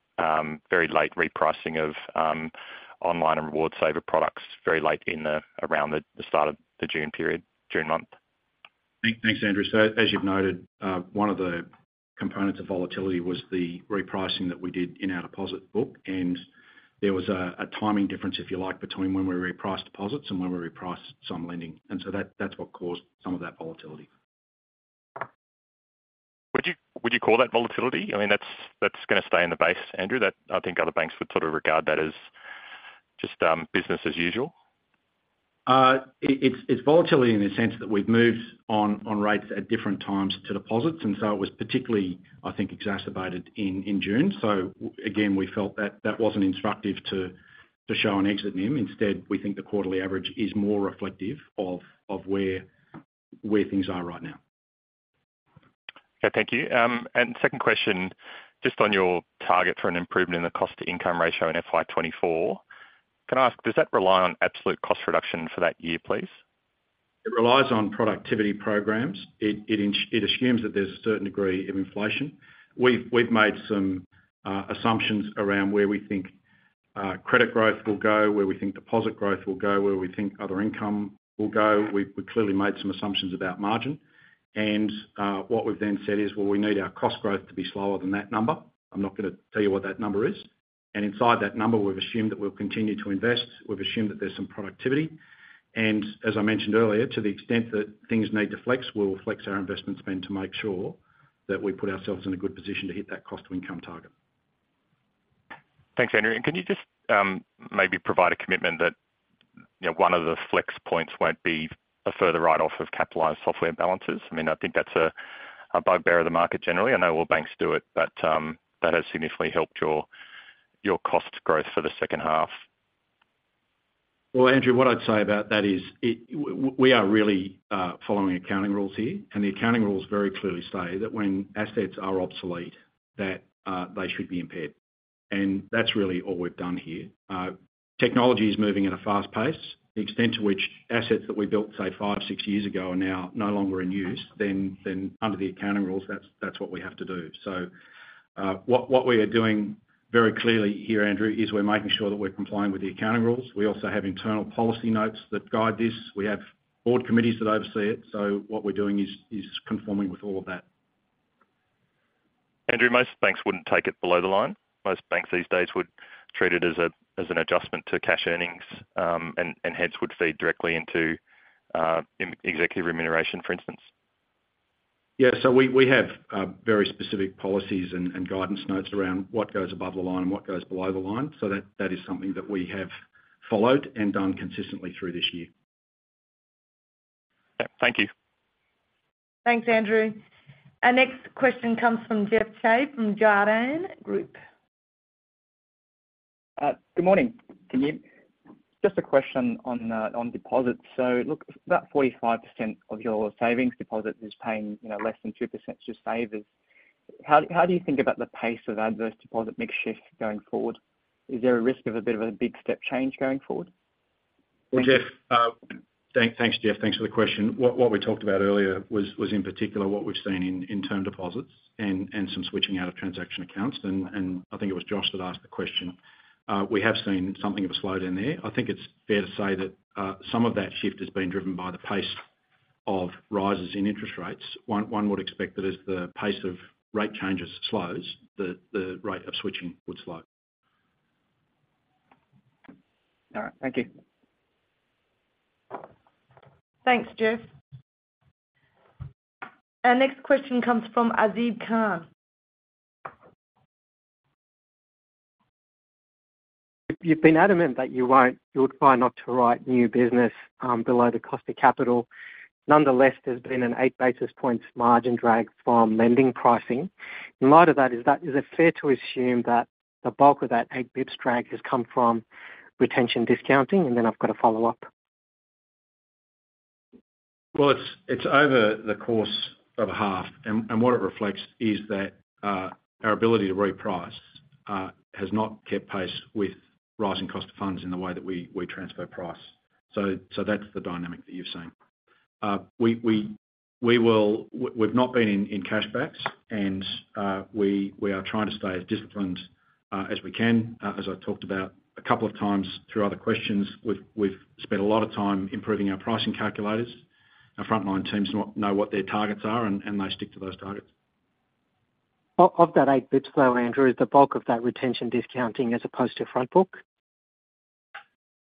very late repricing of online and reward saver products very late in the, around the, the start of the June period, June month? Thank, thanks, Andrew. As you've noted, one of the components of volatility was the repricing that we did in our deposit book, and there was a, a timing difference, if you like, between when we repriced deposits and when we repriced some lending, and so that, that's what caused some of that volatility. Would you, would you call that volatility? I mean, that's, that's gonna stay in the base, Andrew. That I think other banks would sort of regard that as just, Business As Usual. It's volatility in the sense that we've moved on rates at different times to deposits. It was particularly, I think, exacerbated in June. Again, we felt that that wasn't instructive to show on exit NIM. Instead, we think the quarterly average is more reflective of where things are right now. Okay. Thank you. Second question, just on your target for an improvement in the Cost-to-Income Ratio in FY2024. Can I ask, does that rely on absolute cost reduction for that year, please? It relies on productivity programs. It assumes that there's a certain degree of inflation. We've made some assumptions around where we think credit growth will go, where we think deposit growth will go, where we think other income will go. We've clearly made some assumptions about margin, and what we've then said is, well, we need our cost growth to be slower than that number. I'm not gonna tell you what that number is. Inside that number, we've assumed that we'll continue to invest. We've assumed that there's some productivity, and as I mentioned earlier, to the extent that things need to flex, we'll flex our investment spend to make sure that we put ourselves in a good position to hit that cost to income target. Thanks, Andrew. Can you just, maybe provide a commitment that, you know, one of the flex points won't be a further write-off of capitalized software balances? I mean, I think that's a bugbear of the market generally. I know all banks do it, but that has significantly helped your cost growth for the second half. Andrew, what I'd say about that is we are really following accounting rules here. The accounting rules very clearly state that when assets are obsolete, that they should be impaired. That's really all we've done here. Technology is moving at a fast pace. The extent to which assets that we built, say, five, six years ago are now no longer in use, then under the accounting rules, that's what we have to do. What we are doing very clearly here, Andrew, is we're making sure that we're complying with the accounting rules. We also have internal policy notes that guide this. We have board committees that oversee it. What we're doing is conforming with all of that. Andrew, most banks wouldn't take it below the line. Most banks these days would treat it as an adjustment to Cash Earnings, and hence, would feed directly into ex-executive remuneration, for instance. Yeah, we, we have, very specific policies and, and guidance notes around what goes above the line and what goes below the line. That, that is something that we have followed and done consistently through this year. Yeah. Thank you. Thanks, Andrew. Our next question comes from Jeff Cai from Jarden Group. Good morning, can you? Just a question on, on deposits. Look, about 45% of your savings deposits is paying, you know, less than 2% to savers. How, how do you think about the pace of adverse deposit mix shift going forward? Is there a risk of a bit of a big step change going forward? Well, Jeff, thank, thanks, Jeff, thanks for the question. What, what we talked about earlier was, was in particular what we've seen in, in term deposits and, and some switching out of transaction accounts. I think it was Josh that asked the question. We have seen something of a slowdown there. I think it's fair to say that some of that shift has been driven by the pace of rises in interest rates. One, one would expect that as the pace of rate changes slows, the, the rate of switching would slow. All right. Thank you. Thanks, Jeff. Our next question comes from Azib Khan. You've been adamant that you would try not to write new business below the Cost of Capital. Nonetheless, there's been an 8 basis points margin drag from lending pricing. In light of that, is it fair to assume that the bulk of that 8 basis points drag has come from retention discounting? I've got a follow-up. It's over the course of a half, and what it reflects is that, our ability to reprice, has not kept pace with rising cost of funds in the way that we, we transfer price. That's the dynamic that you're seeing. We, we've not been in, in cash backs, and we, we are trying to stay as disciplined as we can. As I talked about a couple of times through other questions, we've spent a lot of time improving our pricing calculators. Our frontline teams know, know what their targets are, and they stick to those targets. Of that 8 basis points flow, Andrew, is the bulk of that retention discounting as opposed to front book?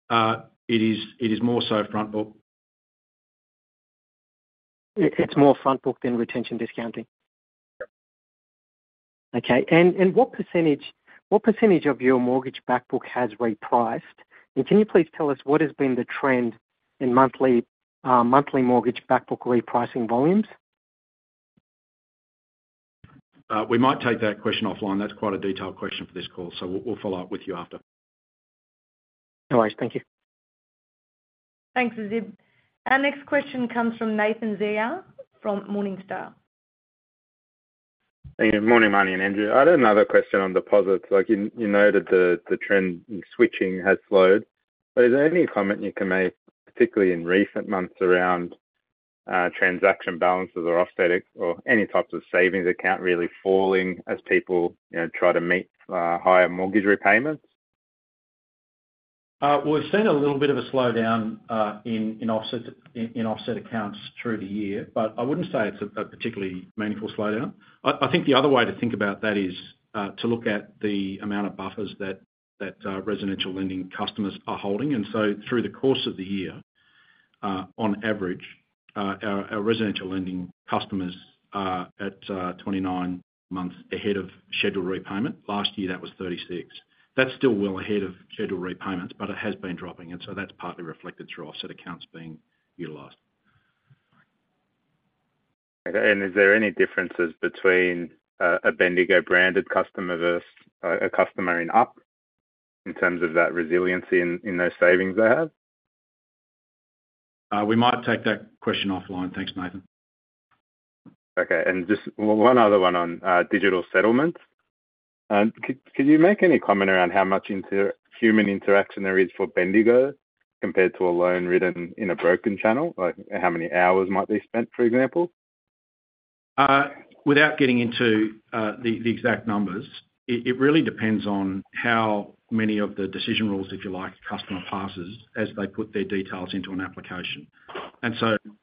It is, it is more so front book. It's more front book than retention discounting? Yep. Okay. And what %, what % of your mortgage back book has repriced? Can you please tell us what has been the trend in monthly, monthly mortgage back book repricing volumes? We might take that question offline. That's quite a detailed question for this call, so we'll, we'll follow up with you after. No worries. Thank you. Thanks, Azib. Our next question comes from Nathan Zaia from Morningstar. Hey, good morning, Marnie and Andrew. I had another question on deposits. Like, you, you noted the, the trend in switching has slowed, but is there any comment you can make, particularly in recent months, around transaction balances or offsetting or any types of savings account really falling as people, you know, try to meet higher mortgage repayments? we've seen a little bit of a slowdown, in, in offset, in, in offset accounts through the year, but I wouldn't say it's a, a particularly meaningful slowdown. I, I think the other way to think about that is to look at the amount of buffers that, that residential lending customers are holding. So through the course of the year, on average, our, our residential lending customers are at 29 months ahead of schedule repayment. Last year, that was 36. That's still well ahead of schedule repayments, but it has been dropping, and so that's partly reflected through our set of accounts being utilized. Okay. Is there any differences between a Bendigo branded customer versus a customer in Up in terms of that resiliency in those savings they have? We might take that question offline. Thanks, Nathan. Okay, just one other one on digital settlements. Could you make any comment around how much human interaction there is for Bendigo compared to a loan written in a broken channel? Like, how many hours might be spent, for example? Without getting into the exact numbers, it really depends on how many of the decision rules, if you like, a customer passes as they put their details into an application.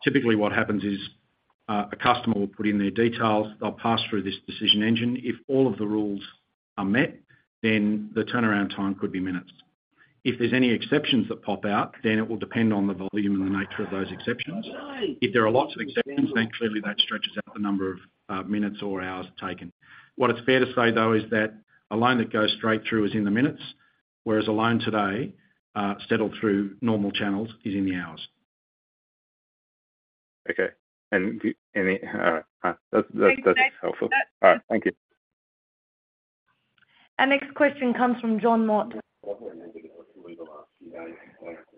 Typically what happens is a customer will put in their details, they'll pass through this decision engine. If all of the rules are met, then the turnaround time could be minutes. If there's any exceptions that pop out, then it will depend on the volume and the nature of those exceptions. If there are lots of exceptions, then clearly that stretches out the number of minutes or hours taken. What it's fair to say, though, is that a loan that goes straight through is in the minutes, whereas a loan today, settled through normal channels, is in the hours. Okay. Any... That's helpful. All right. Thank you. Our next question comes from John Storey.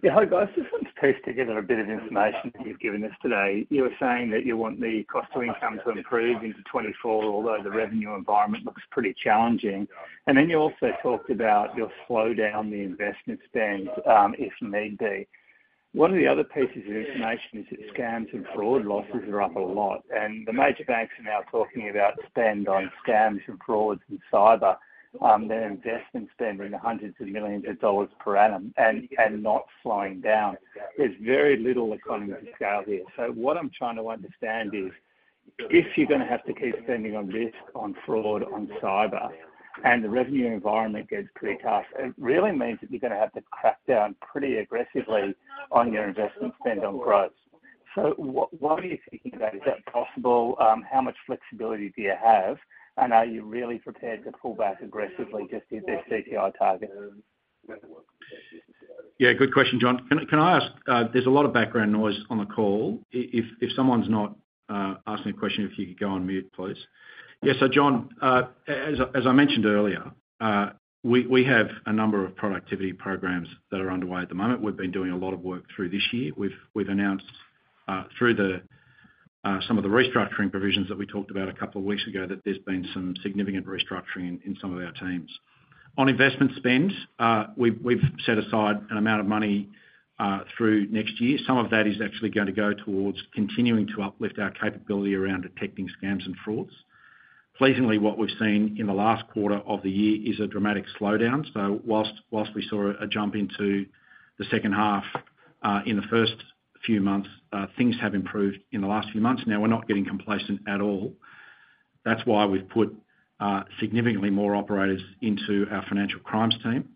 Yeah. Hi, guys. Just want to piece together a bit of information that you've given us today. You were saying that you want the cost to income to improve into 2024, although the revenue environment looks pretty challenging. Then you also talked about you'll slow down the investment spend, if need be. One of the other pieces of information is that scams and fraud losses are up a lot, and the major banks are now talking about spend on scams and frauds and cyber, their investment spend in the hundreds of millions of AUD per annum and, and not slowing down. There's very little economy to scale here. What I'm trying to understand is, if you're going to have to keep spending on risk, on fraud, on cyber, and the revenue environment gets pretty tough, it really means that you're going to have to crack down pretty aggressively on your investment spend on growth. What are you thinking about? Is that possible? How much flexibility do you have, and are you really prepared to pull back aggressively just to hit the CTI target? Yeah, good question, John. Can I ask, there's a lot of background noise on the call. If someone's not asking a question, if you could go on mute, please. Yeah. John, as I mentioned earlier. We have a number of productivity programs that are underway at the moment. We've been doing a lot of work through this year. We've announced through the some of the restructuring provisions that we talked about a couple of weeks ago, that there's been some significant restructuring in some of our teams. On investment spend, we've set aside an amount of money through next year. Some of that is actually going to go towards continuing to uplift our capability around detecting scams and frauds. Pleasingly, what we've seen in the last quarter of the year is a dramatic slowdown. Whilst, whilst we saw a jump into the second half, in the first few months, things have improved in the last few months. Now, we're not getting complacent at all. That's why we've put significantly more operators into our financial crimes team.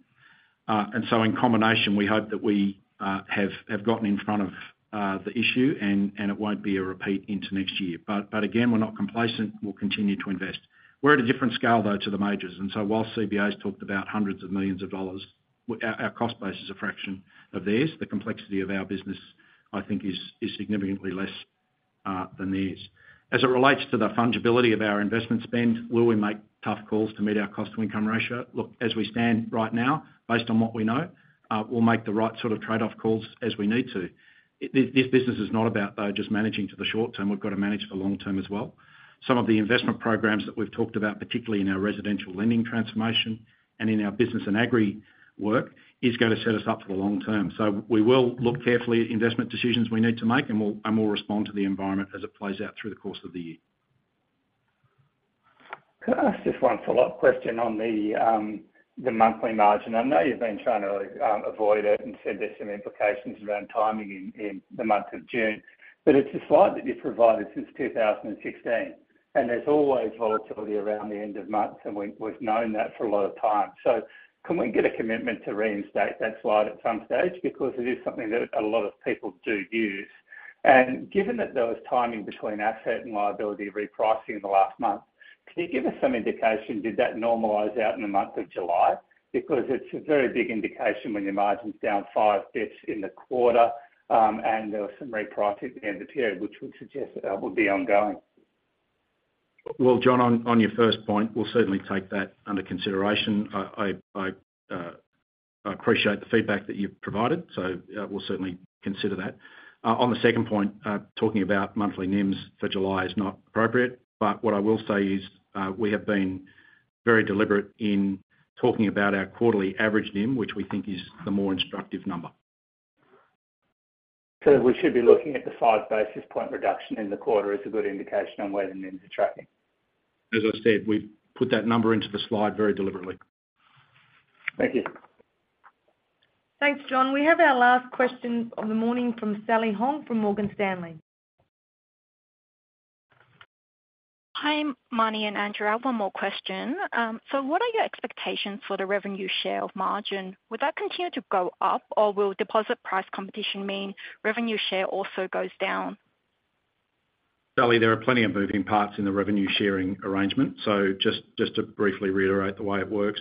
In combination, we hope that we have gotten in front of the issue, and it won't be a repeat into next year. Again, we're not complacent, we'll continue to invest. We're at a different scale, though, to the majors, while CBA's talked about hundreds of millions of dollars, our cost base is a fraction of theirs. The complexity of our business, I think, is significantly less than theirs. As it relates to the fungibility of our investment spend, will we make tough calls to meet our Cost-to-Income Ratio? Look, as we stand right now, based on what we know, we'll make the right sort of trade-off calls as we need to. This business is not about, though, just managing to the short term, we've got to manage for long term as well. Some of the investment programs that we've talked about, particularly in our residential lending transformation and in our business and agri work, is gonna set us up for the long term. We will look carefully at investment decisions we need to make, and we'll, and we'll respond to the environment as it plays out through the course of the year. Can I ask just 1 follow-up question on the monthly margin? I know you've been trying to avoid it, and said there's some implications around timing in the month of June. It's a slide that you've provided since 2016, and there's always volatility around the end of months, and we, we've known that for a lot of time. Can we get a commitment to reinstate that slide at some stage? Because it is something that a lot of people do use. Given that there was timing between asset and liability repricing in the last month, can you give us some indication, did that normalize out in the month of July? Because it's a very big indication when your margin's down 5 bits in the quarter, and there was some repricing at the end of the period, which would suggest that that would be ongoing. Well, John, on, on your first point, we'll certainly take that under consideration. I appreciate the feedback that you've provided, so, we'll certainly consider that. On the second point, talking about monthly NIMs for July is not appropriate, but what I will say is, we have been very deliberate in talking about our quarterly average NIM, which we think is the more instructive number. We should be looking at the 5 basis point reduction in the quarter as a good indication on where the NIMs are tracking? As I said, we've put that number into the slide very deliberately. Thank you. Thanks, John. We have our last question of the morning from Sally Hong from Morgan Stanley. Hi, Marnie and Andrew, I have one more question. What are your expectations for the revenue share of margin? Will that continue to go up, or will deposit price competition mean revenue share also goes down? Sally, there are plenty of moving parts in the revenue-sharing arrangement. Just, just to briefly reiterate the way it works,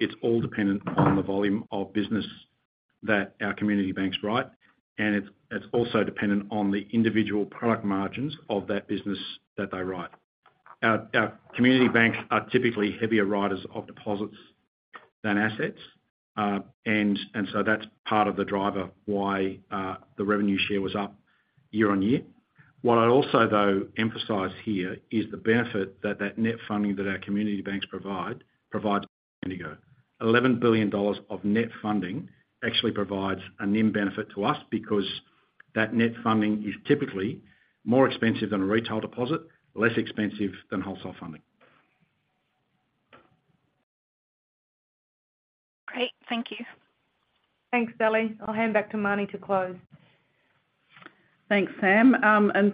it's all dependent on the volume of business that our Community Banks write, and it's, it's also dependent on the individual product margins of that business that they write. Our, our Community Banks are typically heavier writers of deposits than assets. And, and so that's part of the driver why the revenue share was up year-on-year. What I'd also, though, emphasize here is the benefit that that net funding that our Community Banks provide, provides Bendigo. 11 billion dollars of net funding actually provides a NIM benefit to us, because that net funding is typically more expensive than a retail deposit, less expensive than wholesale funding. Great. Thank you. Thanks, Sally. I'll hand back to Marnie to close. Thanks, Sam.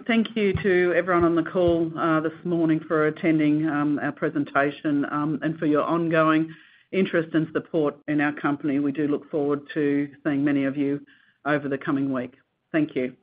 Thank you to everyone on the call, this morning for attending, our presentation, and for your ongoing interest and support in our company. We do look forward to seeing many of you over the coming week. Thank you.